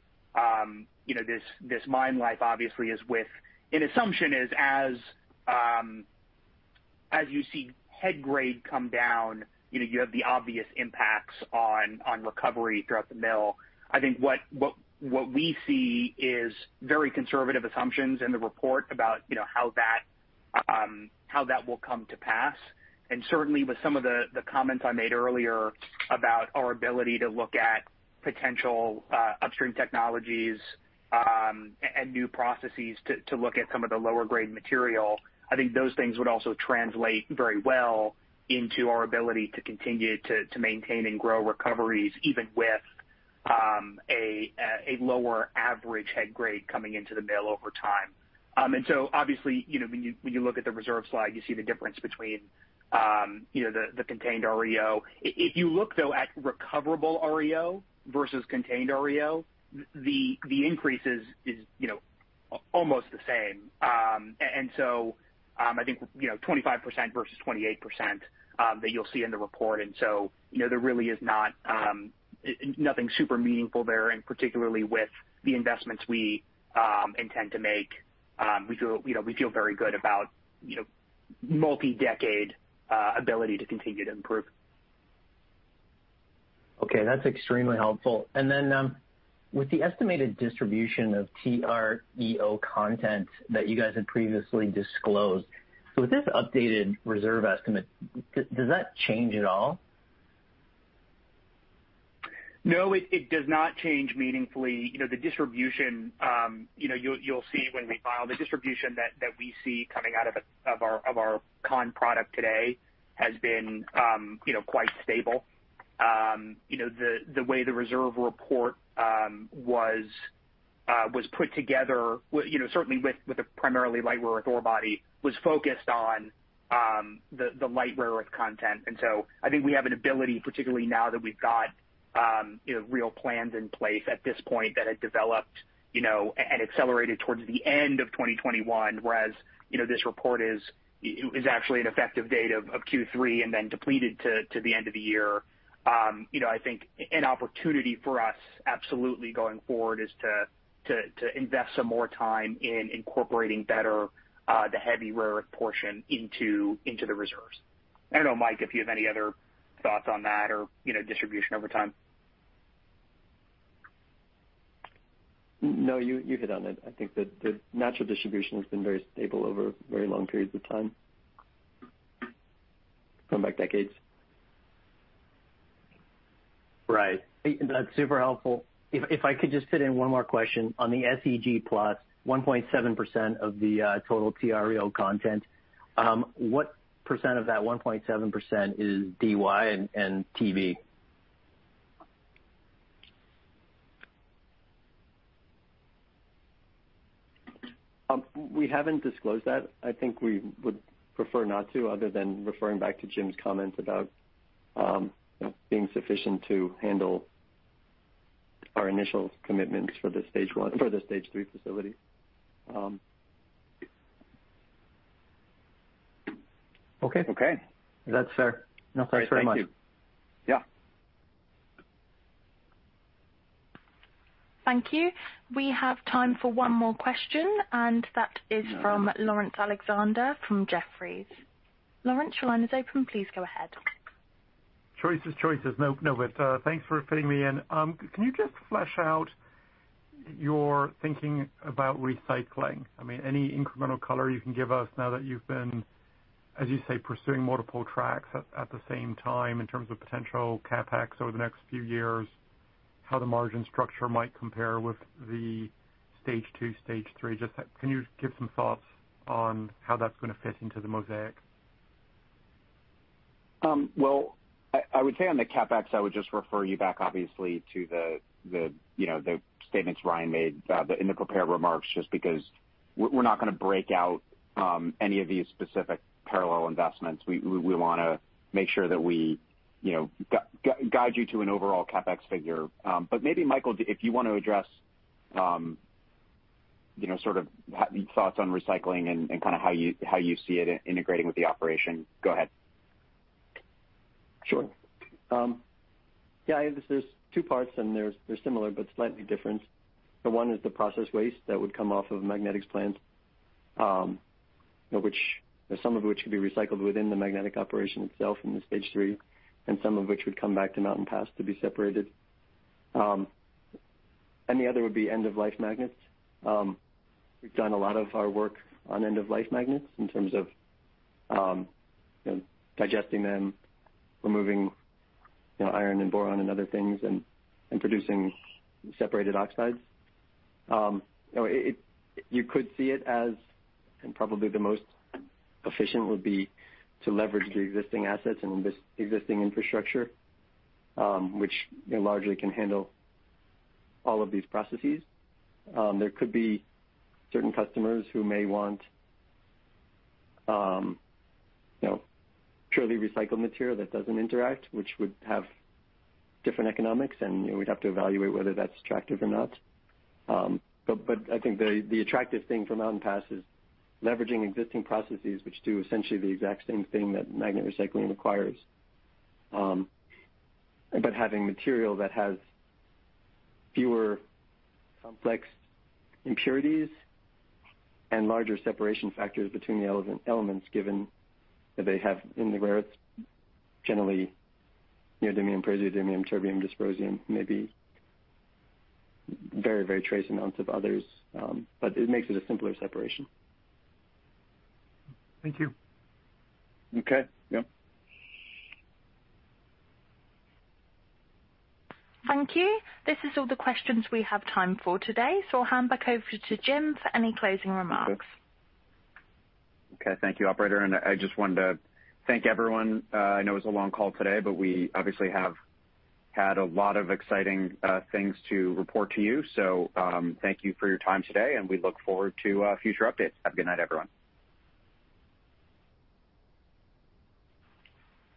E: this mine life obviously is with an assumption as you see head grade come down, you know, you have the obvious impacts on recovery throughout the mill. I think what we see is very conservative assumptions in the report about, you know, how that will come to pass. Certainly with some of the comments I made earlier about our ability to look at potential upstream technologies and new processes to look at some of the lower grade material, I think those things would also translate very well into our ability to continue to maintain and grow recoveries even with a lower average head grade coming into the mill over time. So obviously, you know, when you look at the reserve slide, you see the difference between the contained REO. If you look though at recoverable REO versus contained REO, the increase is almost the same. So, I think, you know, 25% versus 28%, that you'll see in the report. You know, there really is not nothing super meaningful there, and particularly with the investments we intend to make, we feel you know very good about you know multi-decade ability to continue to improve.
K: Okay, that's extremely helpful. With the estimated distribution of TREO content that you guys had previously disclosed, so with this updated reserve estimate, does that change at all?
E: No, it does not change meaningfully. You know, the distribution, you know, you'll see when we file, the distribution that we see coming out of our concentrate product today has been, you know, quite stable. You know, the way the reserve report was put together, you know, certainly with a primarily light rare earth ore body, was focused on the light rare earth content. I think we have an ability, particularly now that we've got, you know, real plans in place at this point that had developed, you know, and accelerated towards the end of 2021, whereas, you know, this report is actually an effective date of Q3 and then depleted to the end of the year. You know, I think an opportunity for us absolutely going forward is to invest some more time in incorporating better the heavy rare earth portion into the reserves. I don't know, Mike, if you have any other thoughts on that or, you know, distribution over time.
D: No, you hit on it. I think the natural distribution has been very stable over very long periods of time, going back decades.
K: Right. That's super helpful. If I could just fit in one more question on the SEG+ 1.7% of the total TREO content, what percent of that 1.7% is Dy and Tb?
D: We haven't disclosed that. I think we would prefer not to other than referring back to Jim's comments about, you know, being sufficient to handle our initial commitments for the Stage III facility.
K: Okay.
E: Okay.
K: That's fair. No, thanks very much.
D: Thank you. Yeah.
A: Thank you. We have time for one more question, and that is from Laurence Alexander from Jefferies. Laurence, your line is open. Please go ahead.
L: Choices, choices. No, but thanks for fitting me in. Can you just flesh out your thinking about recycling? I mean, any incremental color you can give us now that you've been, as you say, pursuing multiple tracks at the same time in terms of potential CapEx over the next few years, how the margin structure might compare with the Stage II, Stage III? Just, can you give some thoughts on how that's gonna fit into the mosaic?
C: Well, I would say on the CapEx, I would just refer you back obviously to the, you know, the statements Ryan made in the prepared remarks, just because we're not gonna break out any of these specific parallel investments. We wanna make sure that we, you know, guide you to an overall CapEx figure. But maybe Michael, if you want to address, you know, sort of thoughts on recycling and kinda how you see it integrating with the operation, go ahead.
D: Sure. Yeah, I guess there's two parts and they're similar but slightly different. The one is the process waste that would come off of magnetics plants, which some of which could be recycled within the magnetic operation itself in the Stage III, and some of which would come back to Mountain Pass to be separated. The other would be end-of-life magnets. We've done a lot of our work on end-of-life magnets in terms of you know, digesting them, removing you know, iron and boron and other things and producing separated oxides. You know, you could see it as, and probably the most efficient would be to leverage the existing assets and this existing infrastructure, which you know, largely can handle all of these processes. There could be certain customers who may want, you know, purely recycled material that doesn't interact, which would have different economics, and, you know, we'd have to evaluate whether that's attractive or not. I think the attractive thing for Mountain Pass is leveraging existing processes which do essentially the exact same thing that magnet recycling requires. Having material that has fewer complex impurities and larger separation factors between the elements, given that they have in the rare earths, generally neodymium, praseodymium, terbium, dysprosium, maybe very trace amounts of others, but it makes it a simpler separation.
L: Thank you.
D: Okay. Yep.
A: Thank you. This is all the questions we have time for today, so I'll hand back over to Jim, for any closing remarks.
C: Okay. Thank you, operator. I just wanted to thank everyone. I know it was a long call today, but we obviously have had a lot of exciting things to report to you. Thank you for your time today, and we look forward to future updates. Have a good night, everyone.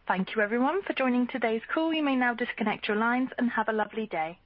A: Thank you everyone for joining today's call. You may now disconnect your lines and have a lovely day.